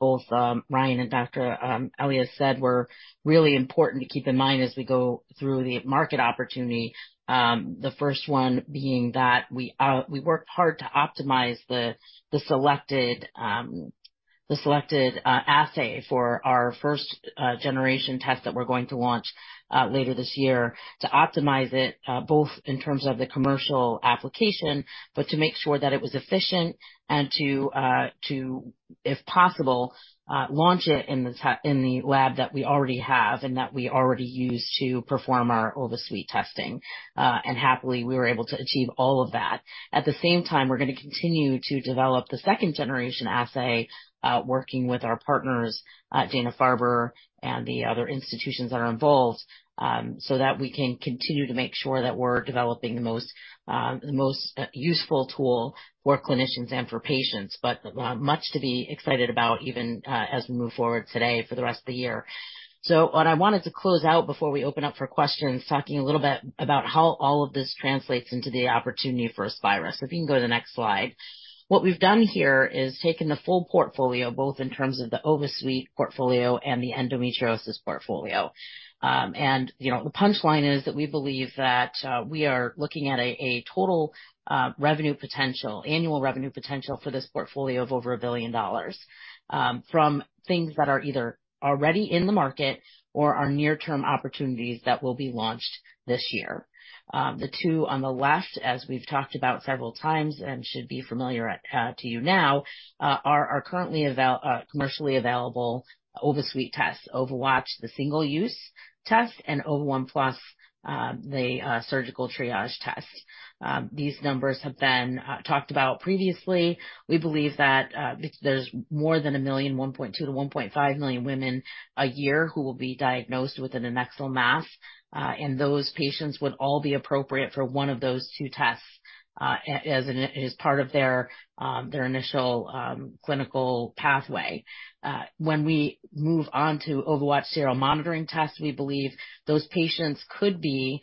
both Ryan and Dr. Elias said were really important to keep in mind as we go through the market opportunity. The first one being that we worked hard to optimize the selected assay for our first generation test that we're going to launch later this year to optimize it both in terms of the commercial application, but to make sure that it was efficient and to, if possible, launch it in the lab that we already have and that we already use to perform our OvaSuite testing. Happily, we were able to achieve all of that. At the same time, we're gonna continue to develop the second generation assay, working with our partners at Dana-Farber and the other institutions that are involved, so that we can continue to make sure that we're developing the most, the most useful tool for clinicians and for patients. Much to be excited about even as we move forward today for the rest of the year. What I wanted to close out before we open up for questions, talking a little bit about how all of this translates into the opportunity for Aspira. If you can go to the next slide. What we've done here is taken the full portfolio, both in terms of the OvaSuite portfolio and the endometriosis portfolio. You know, the punchline is that we believe that we are looking at a total revenue potential, annual revenue potential for this portfolio of over $1 billion from things that are either already in the market or are near-term opportunities that will be launched this year. The two on the left, as we've talked about several times and should be familiar to you now, are currently commercially available OvaSuite tests, OvaWatch, the single-use test, and Ova1Plus, the surgical triage test. These numbers have been talked about previously. We believe that there's more than 1 million, 1.2 to 1.5 million women a year who will be diagnosed with an adnexal mass. Those patients would all be appropriate for one of those two tests as part of their initial clinical pathway. When we move on to OvaWatch serial monitoring tests, we believe those patients could be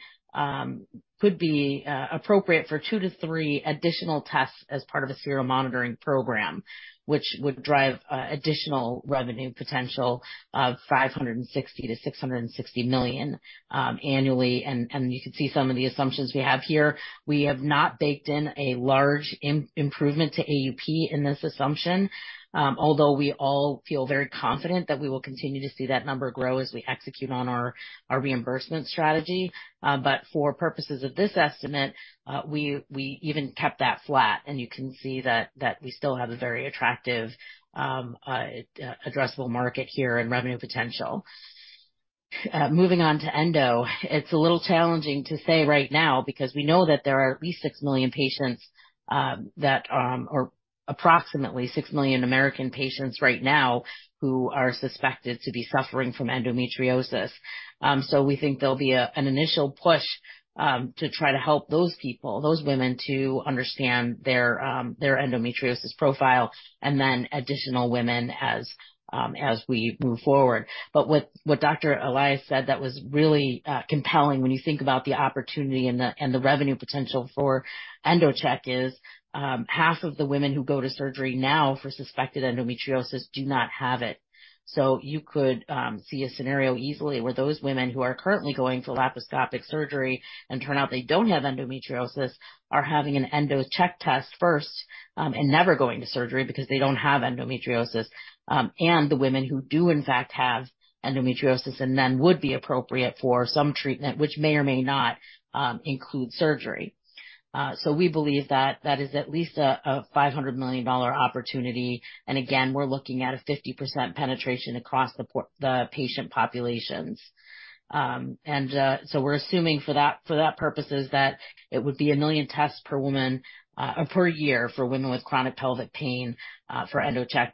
appropriate for 2 to 3 additional tests as part of a serial monitoring program, which would drive additional revenue potential of $560 million-$660 million annually. You can see some of the assumptions we have here. We have not baked in a large improvement to AUP in this assumption. Although we all feel very confident that we will continue to see that number grow as we execute on our reimbursement strategy. For purposes of this estimate, we even kept that flat, and you can see that we still have a very attractive addressable market here and revenue potential. Moving on to endo, it's a little challenging to say right now because we know that there are at least 6 million patients that or approximately 6 million American patients right now who are suspected to be suffering from endometriosis. We think there'll be an initial push to try to help those people, those women to understand their endometriosis profile and then additional women as we move forward. What Dr. Elias said that was really compelling when you think about the opportunity and the revenue potential for EndoCheck is half of the women who go to surgery now for suspected endometriosis do not have it. You could see a scenario easily where those women who are currently going for laparoscopic surgery and turn out they don't have endometriosis are having an EndoCheck test first and never going to surgery because they don't have endometriosis. The women who do in fact have endometriosis and then would be appropriate for some treatment which may or may not include surgery. We believe that that is at least a $500 million opportunity. Again, we're looking at a 50% penetration across the patient populations. We're assuming for that purposes, that it would be 1 million tests per woman per year for women with chronic pelvic pain for EndoCheck.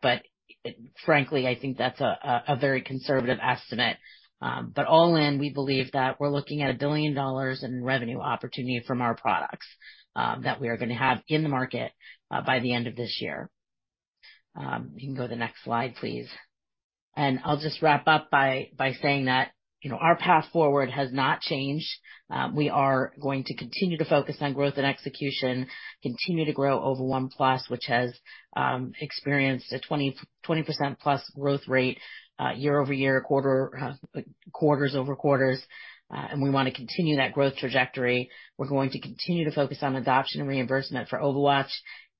Frankly, I think that's a very conservative estimate. All in, we believe that we're looking at a $1 billion in revenue opportunity from our products that we are going to have in the market by the end of this year. You can go to the next slide, please. I'll just wrap up by saying that, you know, our path forward has not changed. We are going to continue to focus on growth and execution, continue to grow Ova1Plus, which has experienced a 20%+ growth rate year-over-year, quarters-over-quarters. We want to continue that growth trajectory. We're going to continue to focus on adoption and reimbursement for OvaWatch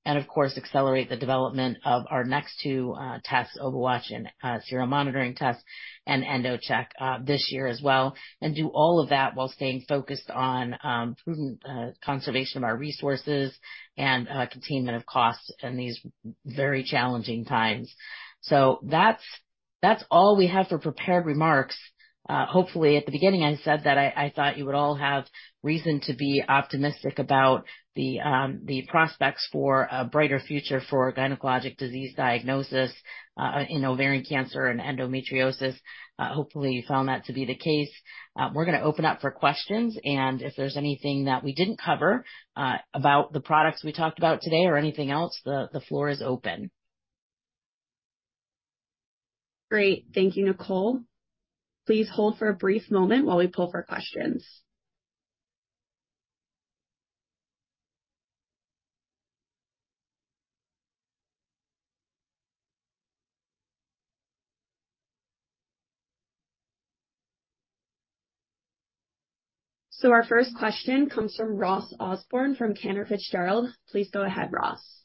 and of course, accelerate the development of our next two tests, OvaWatch and serial monitoring tests and EndoCheck this year as well. Do all of that while staying focused on prudent conservation of our resources and containment of costs in these very challenging times. That's all we have for prepared remarks. Hopefully at the beginning, I said that I thought you would all have reason to be optimistic about the prospects for a brighter future for gynecologic disease diagnosis in ovarian cancer and endometriosis. Hopefully, you found that to be the case. We're going to open up for questions, and if there's anything that we didn't cover about the products we talked about today or anything else, the floor is open. Great. Thank you, Nicole. Please hold for a brief moment while we pull for questions. Our first question comes from Ross Osborn, from Cantor Fitzgerald. Please go ahead, Ross.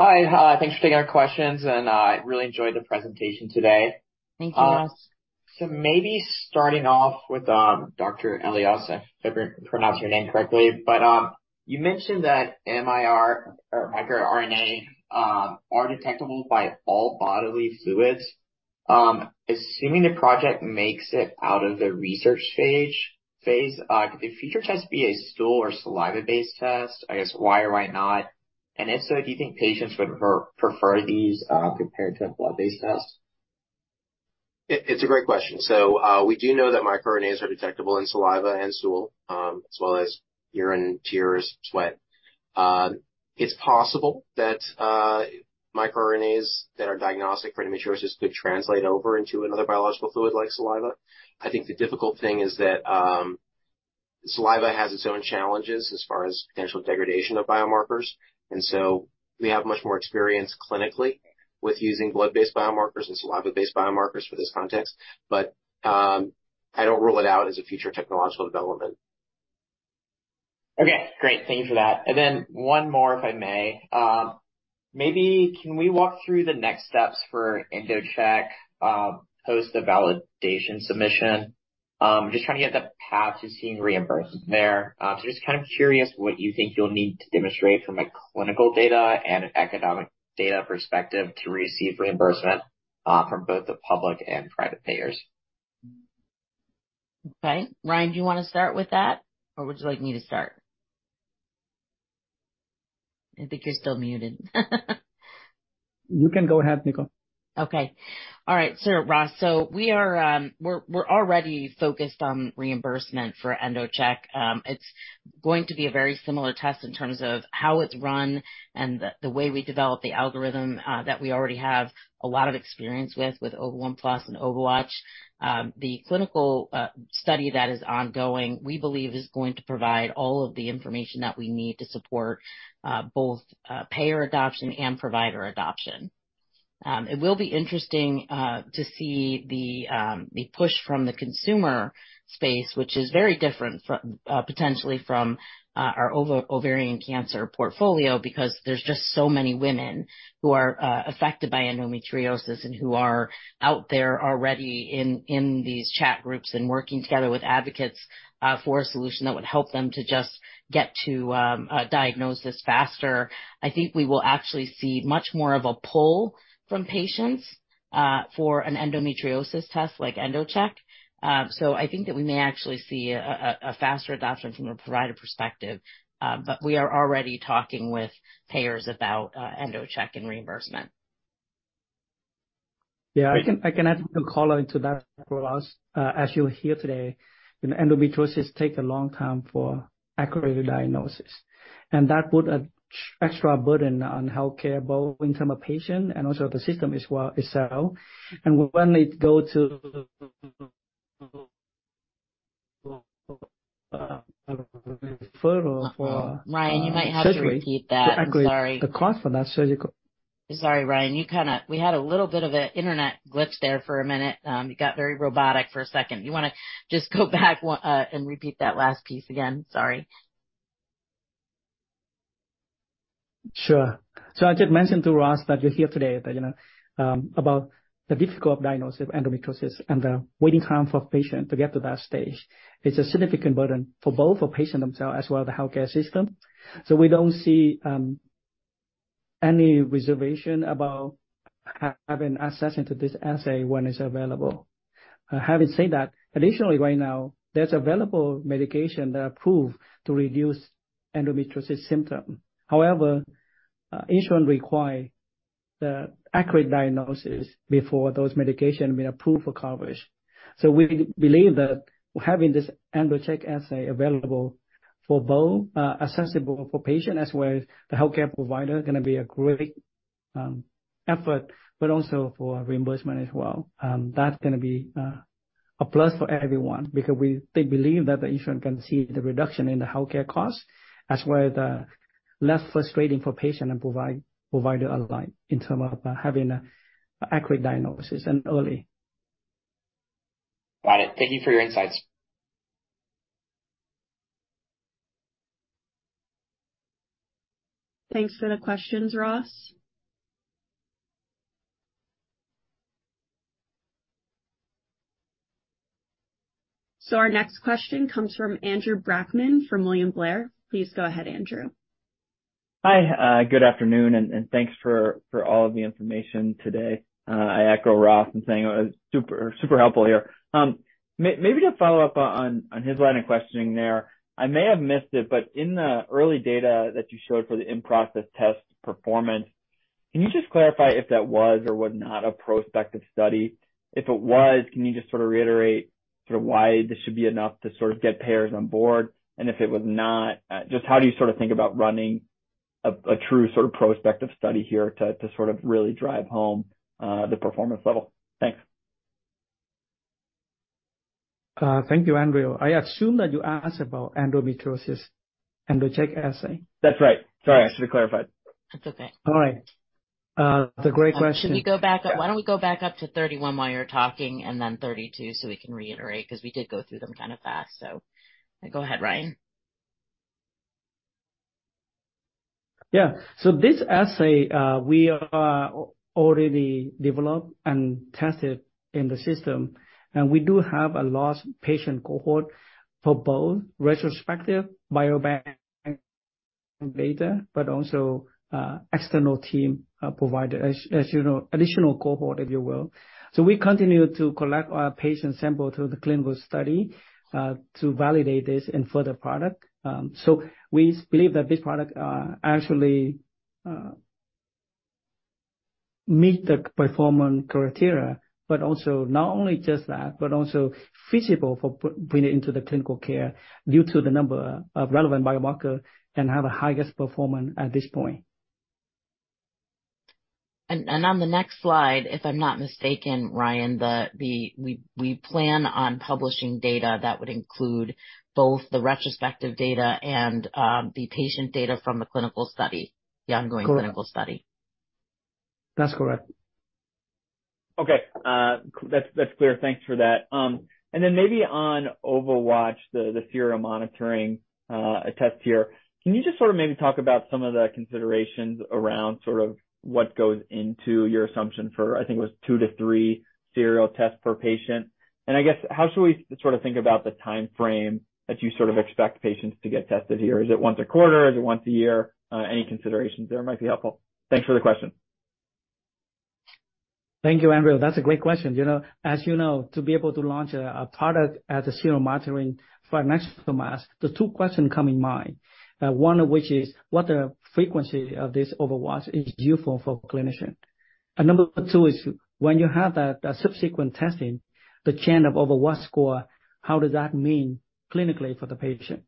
Hi. Thanks for taking our questions. I really enjoyed the presentation today. Thank you, Ross. Maybe starting off with, Dr. Elias, if I pronounced your name correctly. You mentioned that miRNA or microRNA are detectable by all bodily fluids. Assuming the project makes it out of the research phase, could a future test be a stool or saliva-based test? I guess why or why not? If so, do you think patients would prefer these compared to a blood-based test? It's a great question. We do know that microRNAs are detectable in saliva and stool, as well as urine, tears, sweat. It's possible that microRNAs that are diagnostic for endometriosis could translate over into another biological fluid like saliva. I think the difficult thing is that saliva has its own challenges as far as potential degradation of biomarkers. We have much more experience clinically with using blood-based biomarkers than saliva-based biomarkers for this context. I don't rule it out as a future technological development. Okay, great. Thank you for that. One more, if I may. Maybe can we walk through the next steps for EndoCheck post the validation submission? I'm just trying to get the path to seeing reimbursement there. Just kind of curious what you think you'll need to demonstrate from a clinical data and an economic data perspective to receive reimbursement from both the public and private payers. Ryan, do you want to start with that, or would you like me to start? I think you're still muted. You can go ahead, Nicole. Okay. All right. Ross, we're already focused on reimbursement for EndoCheck. It's going to be a very similar test in terms of how it's run and the way we develop the algorithm that we already have a lot of experience with Ova1Plus and OvaWatch. The clinical study that is ongoing, we believe is going to provide all of the information that we need to support both payer adoption and provider adoption. It will be interesting to see the push from the consumer space, which is very different from potentially from our ovarian cancer portfolio because there's just so many women who are affected by endometriosis and who are out there already in these chat groups and working together with advocates for a solution that would help them to just get to diagnosis faster. I think we will actually see much more of a pull from patients for an endometriosis test like EndoCheck. I think that we may actually see a faster adoption from a provider perspective. We are already talking with payers about EndoCheck and reimbursement. Yeah. I can add color into that for us. As you'll hear today, you know, endometriosis take a long time for accurate diagnosis. That put a extra burden on healthcare, both in term of patient and also the system as well, et cetera. When they go to referral for. Ryan, you might have to repeat that. I'm sorry. The cost for that surgical-. Sorry, Ryan, we had a little bit of an internet glitch there for a minute. You got very robotic for a second. You wanna just go back and repeat that last piece again? Sorry. Sure. I just mentioned to Ross that you're here today, that you know, about the difficulty of diagnosis of endometriosis and the waiting time for patient to get to that stage. It's a significant burden for both the patient themselves as well, the healthcare system. We don't see any reservation about having access into this assay when it's available. Having said that, additionally, right now, there's available medication that are proved to reduce endometriosis symptom. However, insurance require the accurate diagnosis before those medication been approved for coverage. We believe that having this EndoCheck assay available for both, accessible for patients as well as the healthcare provider gonna be a great effort, but also for reimbursement as well. That's gonna be a plus for everyone because they believe that the insurance can see the reduction in the healthcare costs, as well as less frustrating for patients and provider alike in terms of having a accurate diagnosis and early. Got it. Thank you for your insights. Thanks for the questions, Ross. Our next question comes from Andrew Brackmann from William Blair. Please go ahead, Andrew. Hi. good afternoon and thanks for all of the information today. I echo Ross in saying it was super helpful here. maybe to follow up on his line of questioning there, I may have missed it, but in the early data that you showed for the in-process test performance, can you just clarify if that was or was not a prospective study? If it was, can you just sort of reiterate sort of why this should be enough to sort of get payers on board? If it was not, just how do you sort of think about running a true sort of prospective study here to sort of really drive home the performance level? Thanks. Thank you, Andrew. I assume that you asked about endometriosis EndoCheck assay. That's right. Sorry, I should have clarified. That's okay. All right. That's a great question. Why don't we go back up to 31 while you're talking and then 32 so we can reiterate, 'cause we did go through them kind of fast. Go ahead, Ryan. Yeah. This assay, we are already developed and tested in the system, and we do have a large patient cohort for both retrospective biobank data but also external team, provider as, you know, additional cohort, if you will. We continue to collect patient sample through the clinical study to validate this and further product. We believe that this product actually meet the performance criteria, but also not only just that, but also feasible for putting into the clinical care due to the number of relevant biomarker and have the highest performance at this point. On the next slide, if I'm not mistaken, Ryan, we plan on publishing data that would include both the retrospective data and the patient data from the clinical study, the ongoing clinical study. That's correct. Okay, that's clear. Thanks for that. Then maybe on OvaWatch, the serum monitoring test here, can you just sort of maybe talk about some of the considerations around sort of what goes into your assumption for, I think it was 2 to 3 serial tests per patient? I guess, how should we sort of think about the timeframe that you expect patients to get tested here? Is it once a quarter? Is it once a year? Any considerations there might be helpful. Thanks for the question. Thank you, Andrew. That's a great question. You know, as you know, to be able to launch a product at the serial monitoring for adnexal mass, there's two questions come in mind. One of which is what the frequency of this OvaWatch is useful for clinician. Number two is when you have that subsequent testing, the chain of OvaWatch score, how does that mean clinically for the patient?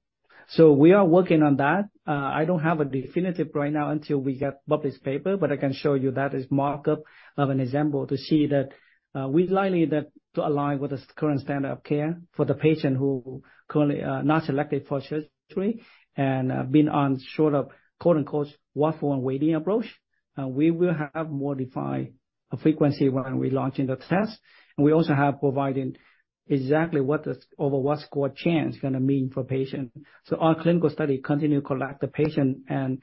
We are working on that. I don't have a definitive right now until we get published paper, but I can show you that is markup of an example to see that we'd likely that to align with the current standard of care for the patient who currently not selected for surgery and been on sort of quote-unquote watch and waiting approach. We will have modified a frequency when we launch in the test, and we also have provided exactly what the OvaWatch score change gonna mean for patients. Our clinical study continue to collect the patient and,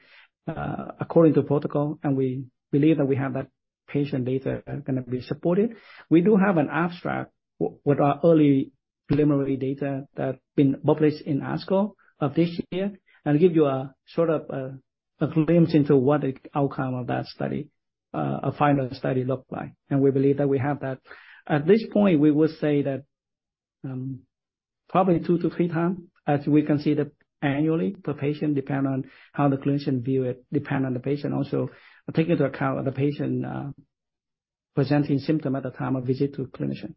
according to protocol, and we believe that we have that patient data gonna be supported. We do have an abstract with our early preliminary data that been published in ASCO of this year and give you a sort of, a glimpse into what the outcome of that study, a final study looked like. We believe that we have that. At this point, we will say that, probably two to three times, as we can see that annually per patient, depend on how the clinician view it, depend on the patient. Also take into account the patient, presenting symptom at the time of visit to clinician.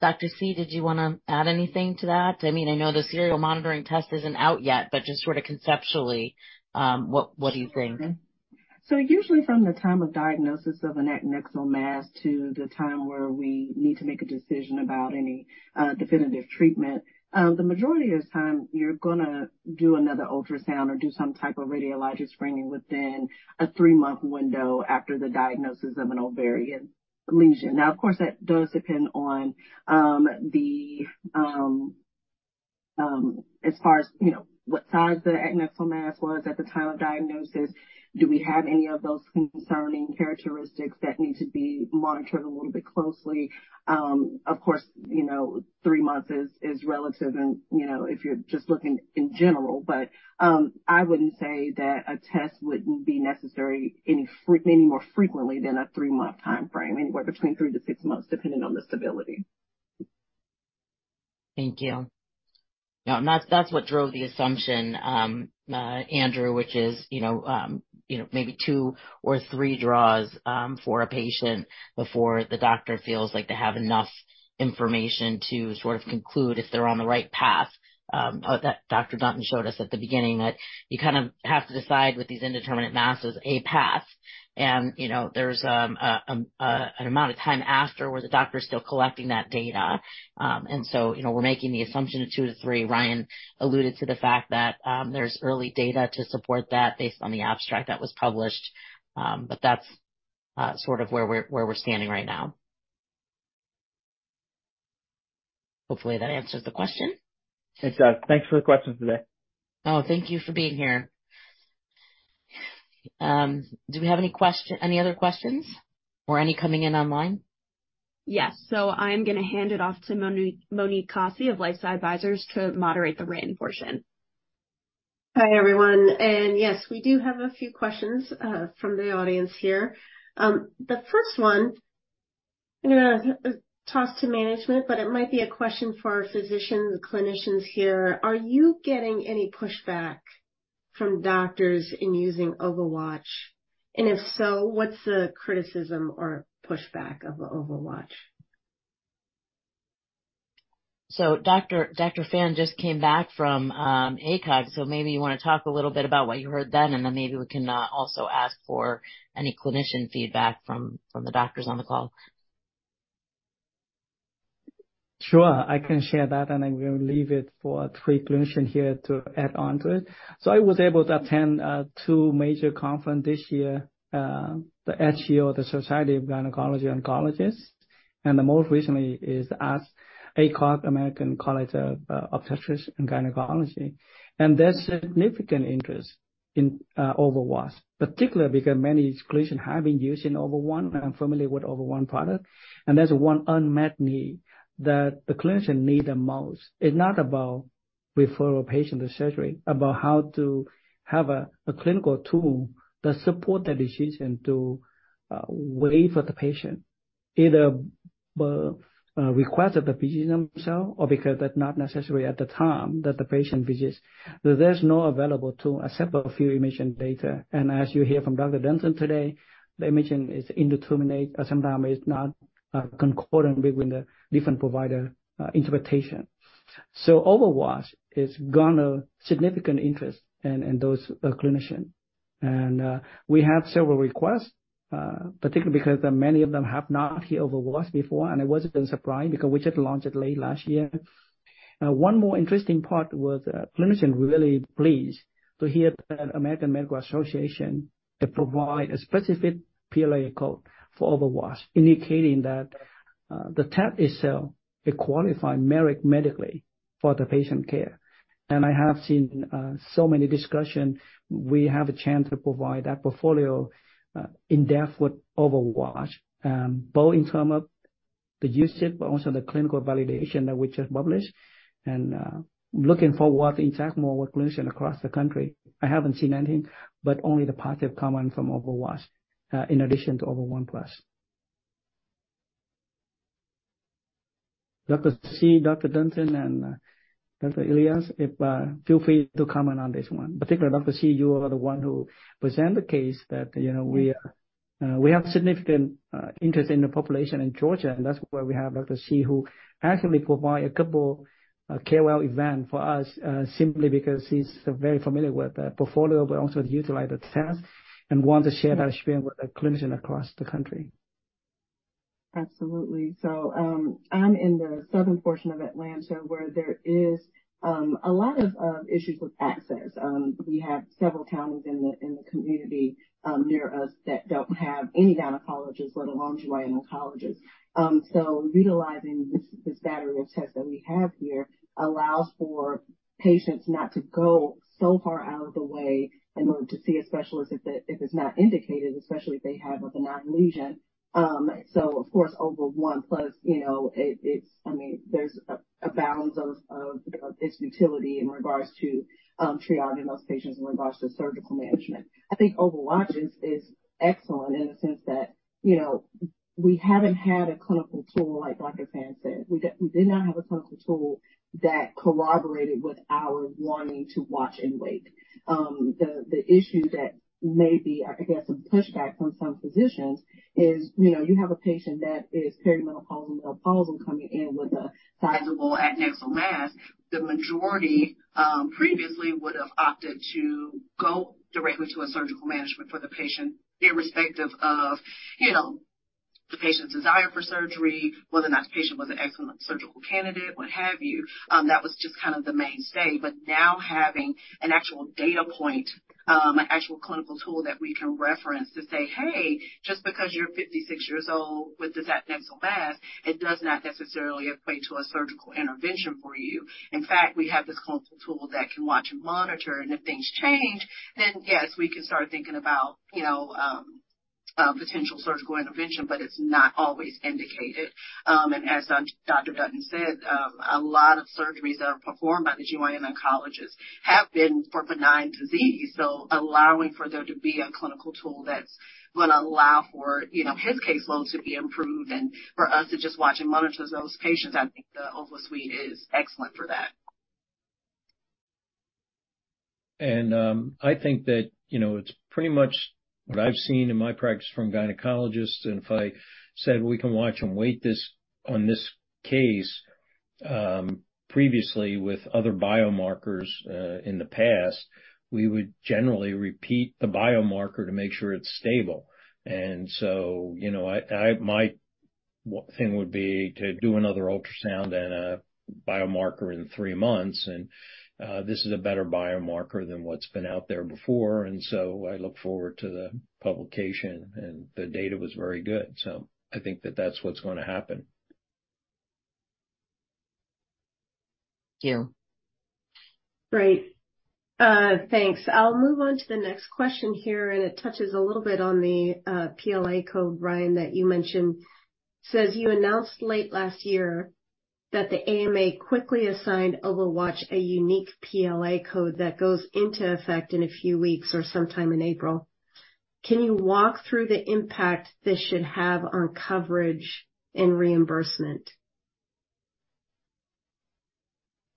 Dr. Seay, did you wanna add anything to that? I mean, I know the serial monitoring test isn't out yet, but just sort of conceptually, what do you think? Usually from the time of diagnosis of an adnexal mass to the time where we need to make a decision about any definitive treatment, the majority of time you're gonna do another ultrasound or do some type of radiologic screening within a 3-month window after the diagnosis of an ovarian lesion. Of course, that does depend on, as far as, you know, what size the adnexal mass was at the time of diagnosis. Do we have any of those concerning characteristics that need to be monitored a little bit closely? Of course, you know, 3 months is relative and, you know, if you're just looking in general, I wouldn't say that a test would be necessary any more frequently than a 3-month timeframe. Anywhere between 3-6 months, depending on the stability. Thank you. That's what drove the assumption, Andrew, which is, you know, you know, maybe 2 or 3 draws for a patient before the doctor feels like they have enough information to sort of conclude if they're on the right path that Dr. Dunton showed us at the beginning, that you kind of have to decide with these indeterminate masses, a path. You know, there's an amount of time after where the doctor is still collecting that data. You know, we're making the assumption of 2 to 3. Ryan alluded to the fact that there's early data to support that based on the abstract that was published. That's sort of where we're standing right now. Hopefully, that answers the question. It does. Thanks for the questions today. Oh, thank you for being here. Do we have any other questions or any coming in online? Yes. I'm gonna hand it off to Monique Kosse of LifeSci Advisors to moderate the written portion. Hi, everyone. Yes, we do have a few questions from the audience here. The first one I'm gonna toss to management, but it might be a question for our physicians and clinicians here. Are you getting any pushback from doctors in using OvaWatch? If so, what's the criticism or pushback of the OvaWatch? Dr. Phan just came back from ACOG, so maybe you wanna talk a little bit about what you heard then, maybe we can also ask for any clinician feedback from the doctors on the call. Sure, I can share that, and I will leave it for three clinician here to add on to it. I was able to attend two major conference this year, the SGO, the Society of Gynecologic Oncology, and the most recently is as ACOG, American College of Obstetrics and Gynecology. There's significant interest in OvaWatch, particularly because many clinicians have been using OvaWatch, and I'm familiar with OvaWatch product. There's one unmet need that the clinician need the most. It's not about referral patient to surgery, about how to have a clinical tool that support the decision to wait for the patient. Either request that the patient themself or because that's not necessary at the time that the patient visits. There's no available tool except for a few imaging data. As you hear from Dr. Dunton today, the imaging is indeterminate or sometimes is not concordant between the different provider interpretation. OvaWatch has garnered significant interest in those clinician. We have several requests, particularly because many of them have not heard OvaWatch before. It wasn't a surprise because we just launched it late last year. One more interesting part was that clinician were really pleased to hear that American Medical Association provide a specific PLA code for OvaWatch, indicating that, the test itself qualify medically for the patient care. I have seen so many discussion. We have a chance to provide that portfolio, in depth with OvaWatch, both in term of the usage, but also the clinical validation that we just published, and, looking forward to interact more with clinician across the country. I haven't seen anything, but only the positive comment from OvaWatch, in addition to Ova1Plus. Dr. Seay, Dr. Dunton and Dr. Elias, feel free to comment on this one. Particularly Dr. Seay, you are the one who present the case that, you know, We have significant interest in the population in Georgia. That's why we have Dr. Seay who actually provide a couple KOL event for us, simply because he's very familiar with the portfolio, but also utilize the test and want to share that experience with the clinician across the country. Absolutely. I'm in the southern portion of Atlanta where there is a lot of issues with access. We have several counties in the community near us that don't have any gynecologists, let alone GYN oncologists. Utilizing this battery of tests that we have here allows for patients not to go so far out of the way in order to see a specialist if it, if it's not indicated, especially if they have a benign lesion. Of course, Ova1Plus, you know, it's, I mean, there's a balance of its utility in regards to triaging those patients in regards to surgical management. I think OvaWatch is excellent in the sense that, you know, we haven't had a clinical tool like Dr. Phan said. We did not have a clinical tool that corroborated with our wanting to watch and wait. The issue that may be, I guess, some pushback from some physicians is, you know, you have a patient that is perimenopausal, menopausal coming in with a sizable adnexal mass. The majority previously would have opted to go directly to a surgical management for the patient, irrespective of, you know, the patient's desire for surgery, whether or not the patient was an excellent surgical candidate, what have you. That was just kind of the mainstay. Now having an actual data point, an actual clinical tool that we can reference to say, "Hey, just because you're 56 years old with this adnexal mass, it does not necessarily equate to a surgical intervention for you. In fact, we have this clinical tool that can watch and monitor, and if things change, then yes, we can start thinking about, you know, potential surgical intervention, but it's not always indicated. As Dr. Dunton said, a lot of surgeries that are performed by the gynecologic oncologists have been for benign disease. Allowing for there to be a clinical tool that's gonna allow for, you know, his caseload to be improved and for us to just watch and monitor those patients, I think the OvaSuite is excellent for that. I think that, you know, it's pretty much what I've seen in my practice from gynecologists. If I said we can watch and wait on this case, previously with other biomarkers, in the past, we would generally repeat the biomarker to make sure it's stable. You know, my thing would be to do another ultrasound and a biomarker in 3 months. This is a better biomarker than what's been out there before. I look forward to the publication, and the data was very good. I think that that's what's gonna happen. Thank you. Great. Thanks. I'll move on to the next question here. It touches a little bit on the PLA code, Ryan, that you mentioned. Says you announced late last year that the AMA quickly assigned OvaWatch a unique PLA code that goes into effect in a few weeks or sometime in April. Can you walk through the impact this should have on coverage and reimbursement?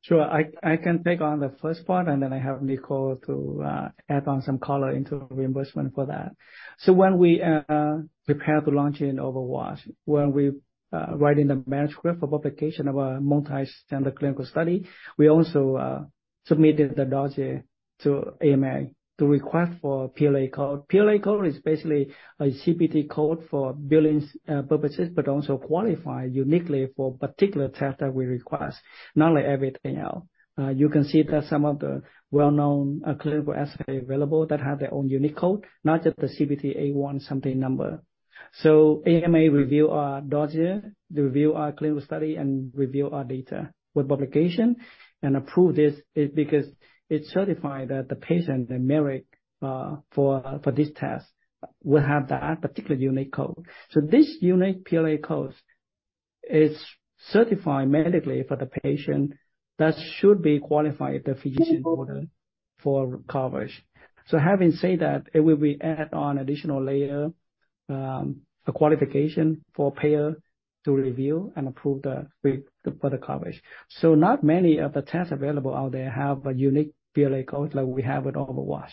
Sure. I can take on the first part, then I have Nicole to add on some color into reimbursement for that. When we prepared to launch in OvaWatch, when we writing the manuscript of publication of a multistandard clinical study, we also submitted the dossier to AMA to request for PLA code. PLA code is basically a CPT code for billings purposes, also qualify uniquely for particular test that we request, not like everything else. You can see that some of the well-known clinical assay available that have their own unique code, not just the CPT A-one-something number. AMA review our dossier, they review our clinical study and review our data with publication and approve this because it certified that the patient, the merit for this test will have that particular unique code. This unique PLA codes is certified medically for the patient that should be qualified the physician order for coverage. Having said that, it will be add on additional layer, a qualification for payer to review and approve the for the coverage. Not many of the tests available out there have a unique PLA code like we have with OvaWatch.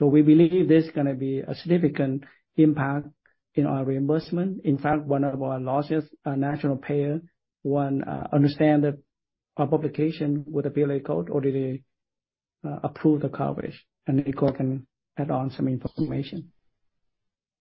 We believe this gonna be a significant impact in our reimbursement. In fact, one of our largest, national payer, one, understand that our publication with the PLA code already approved the coverage, and Nicole can add on some information.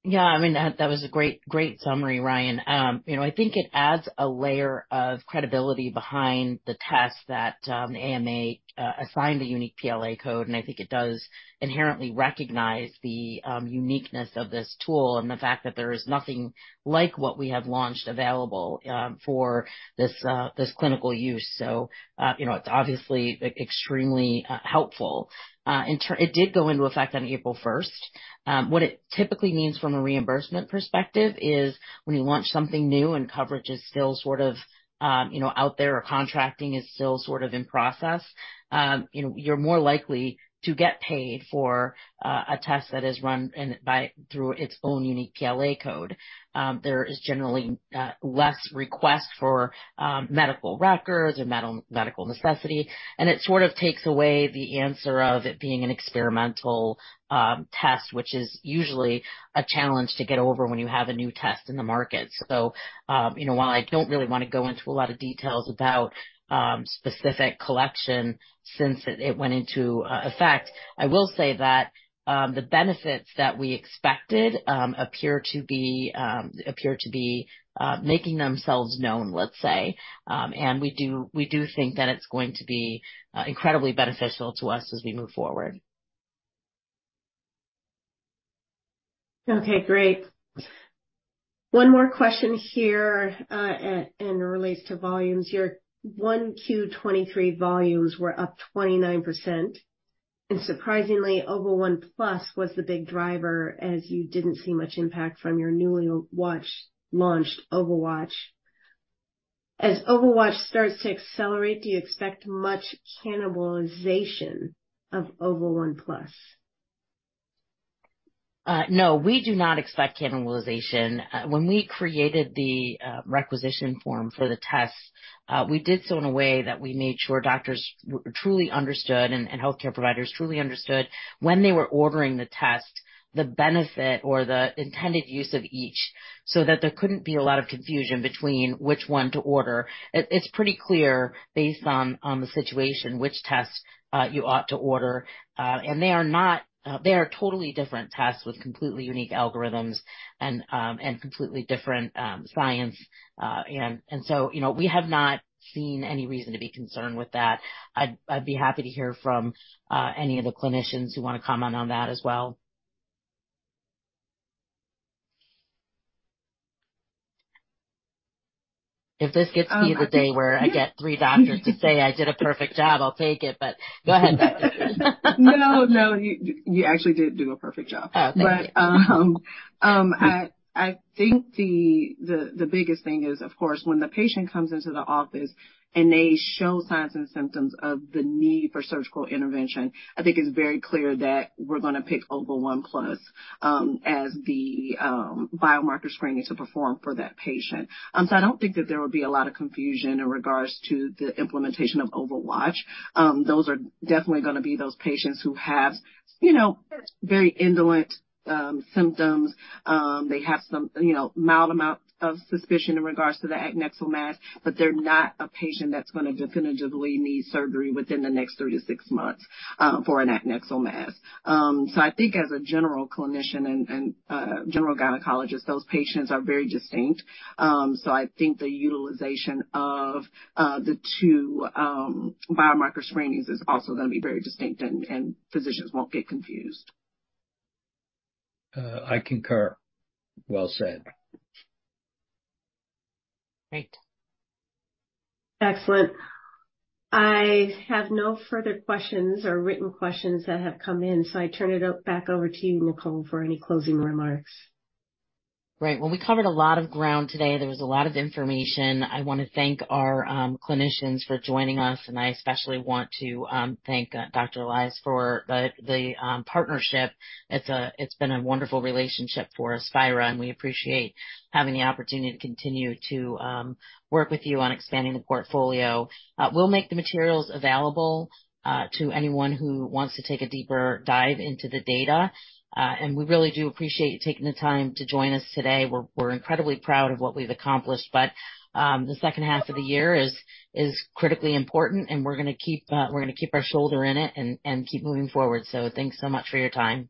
Yeah, I mean, that was a great summary, Ryan. You know, I think it adds a layer of credibility behind the test that AMA assigned a unique PLA code. I think it does inherently recognize the uniqueness of this tool and the fact that there is nothing like what we have launched available for this clinical use. You know, it's obviously extremely helpful. It did go into effect on April 1st. What it typically means from a reimbursement perspective is when you launch something new and coverage is still sort of, you know, out there or contracting is still sort of in process, you know, you're more likely to get paid for a test that is run through its own unique PLA code. There is generally less requests for medical records or medical necessity, and it sort of takes away the answer of it being an experimental test, which is usually a challenge to get over when you have a new test in the market. You know, while I don't really wanna go into a lot of details about specific collection since it went into effect, I will say that the benefits that we expected appear to be making themselves known, let's say. We do think that it's going to be incredibly beneficial to us as we move forward. Okay, great. One more question here, and it relates to volumes. Your 1Q23 volumes were up 29%. Surprisingly, Ova1Plus was the big driver, as you didn't see much impact from your newly launched OvaWatch. As OvaWatch starts to accelerate, do you expect much cannibalization of Ova1Plus? No, we do not expect cannibalization. When we created the requisition form for the test, we did so in a way that we made sure doctors truly understood and healthcare providers truly understood when they were ordering the test, the benefit or the intended use of each, so that there couldn't be a lot of confusion between which one to order. It's pretty clear, based on the situation, which test, you ought to order. They are not, they are totally different tests with completely unique algorithms and completely different science. You know, we have not seen any reason to be concerned with that. I'd be happy to hear from any of the clinicians who wanna comment on that as well. If this gets to be the day where I get three doctors to say I did a perfect job, I'll take it. Go ahead, Doctor. No, no, you actually did do a perfect job. Oh, thank you. I think the biggest thing is, of course, when the patient comes into the office and they show signs and symptoms of the need for surgical intervention, I think it's very clear that we're gonna pick Ova1Plus as the biomarker screening to perform for that patient. I don't think that there would be a lot of confusion in regards to the implementation of OvaWatch. Those are definitely gonna be those patients who have, you know, very indolent symptoms. They have some, you know, mild amount of suspicion in regards to the adnexal mass, but they're not a patient that's gonna definitively need surgery within the next 36 months for an adnexal mass. I think as a general clinician and general gynecologist, those patients are very distinct. I think the utilization of the 2 biomarker screenings is also going to be very distinct and physicians won't get confused. I concur. Well said. Great. Excellent. I have no further questions or written questions that have come in, so I turn it back over to you, Nicole, for any closing remarks. Great. Well, we covered a lot of ground today. There was a lot of information. I wanna thank our clinicians for joining us, and I especially want to thank Dr. Elias for the partnership. It's been a wonderful relationship for Aspira, and we appreciate having the opportunity to continue to work with you on expanding the portfolio. We'll make the materials available to anyone who wants to take a deeper dive into the data. We really do appreciate you taking the time to join us today. We're incredibly proud of what we've accomplished, but the second half of the year is critically important, and we're gonna keep, we're gonna keep our shoulder in it and keep moving forward. Thanks so much for your time. Thank you.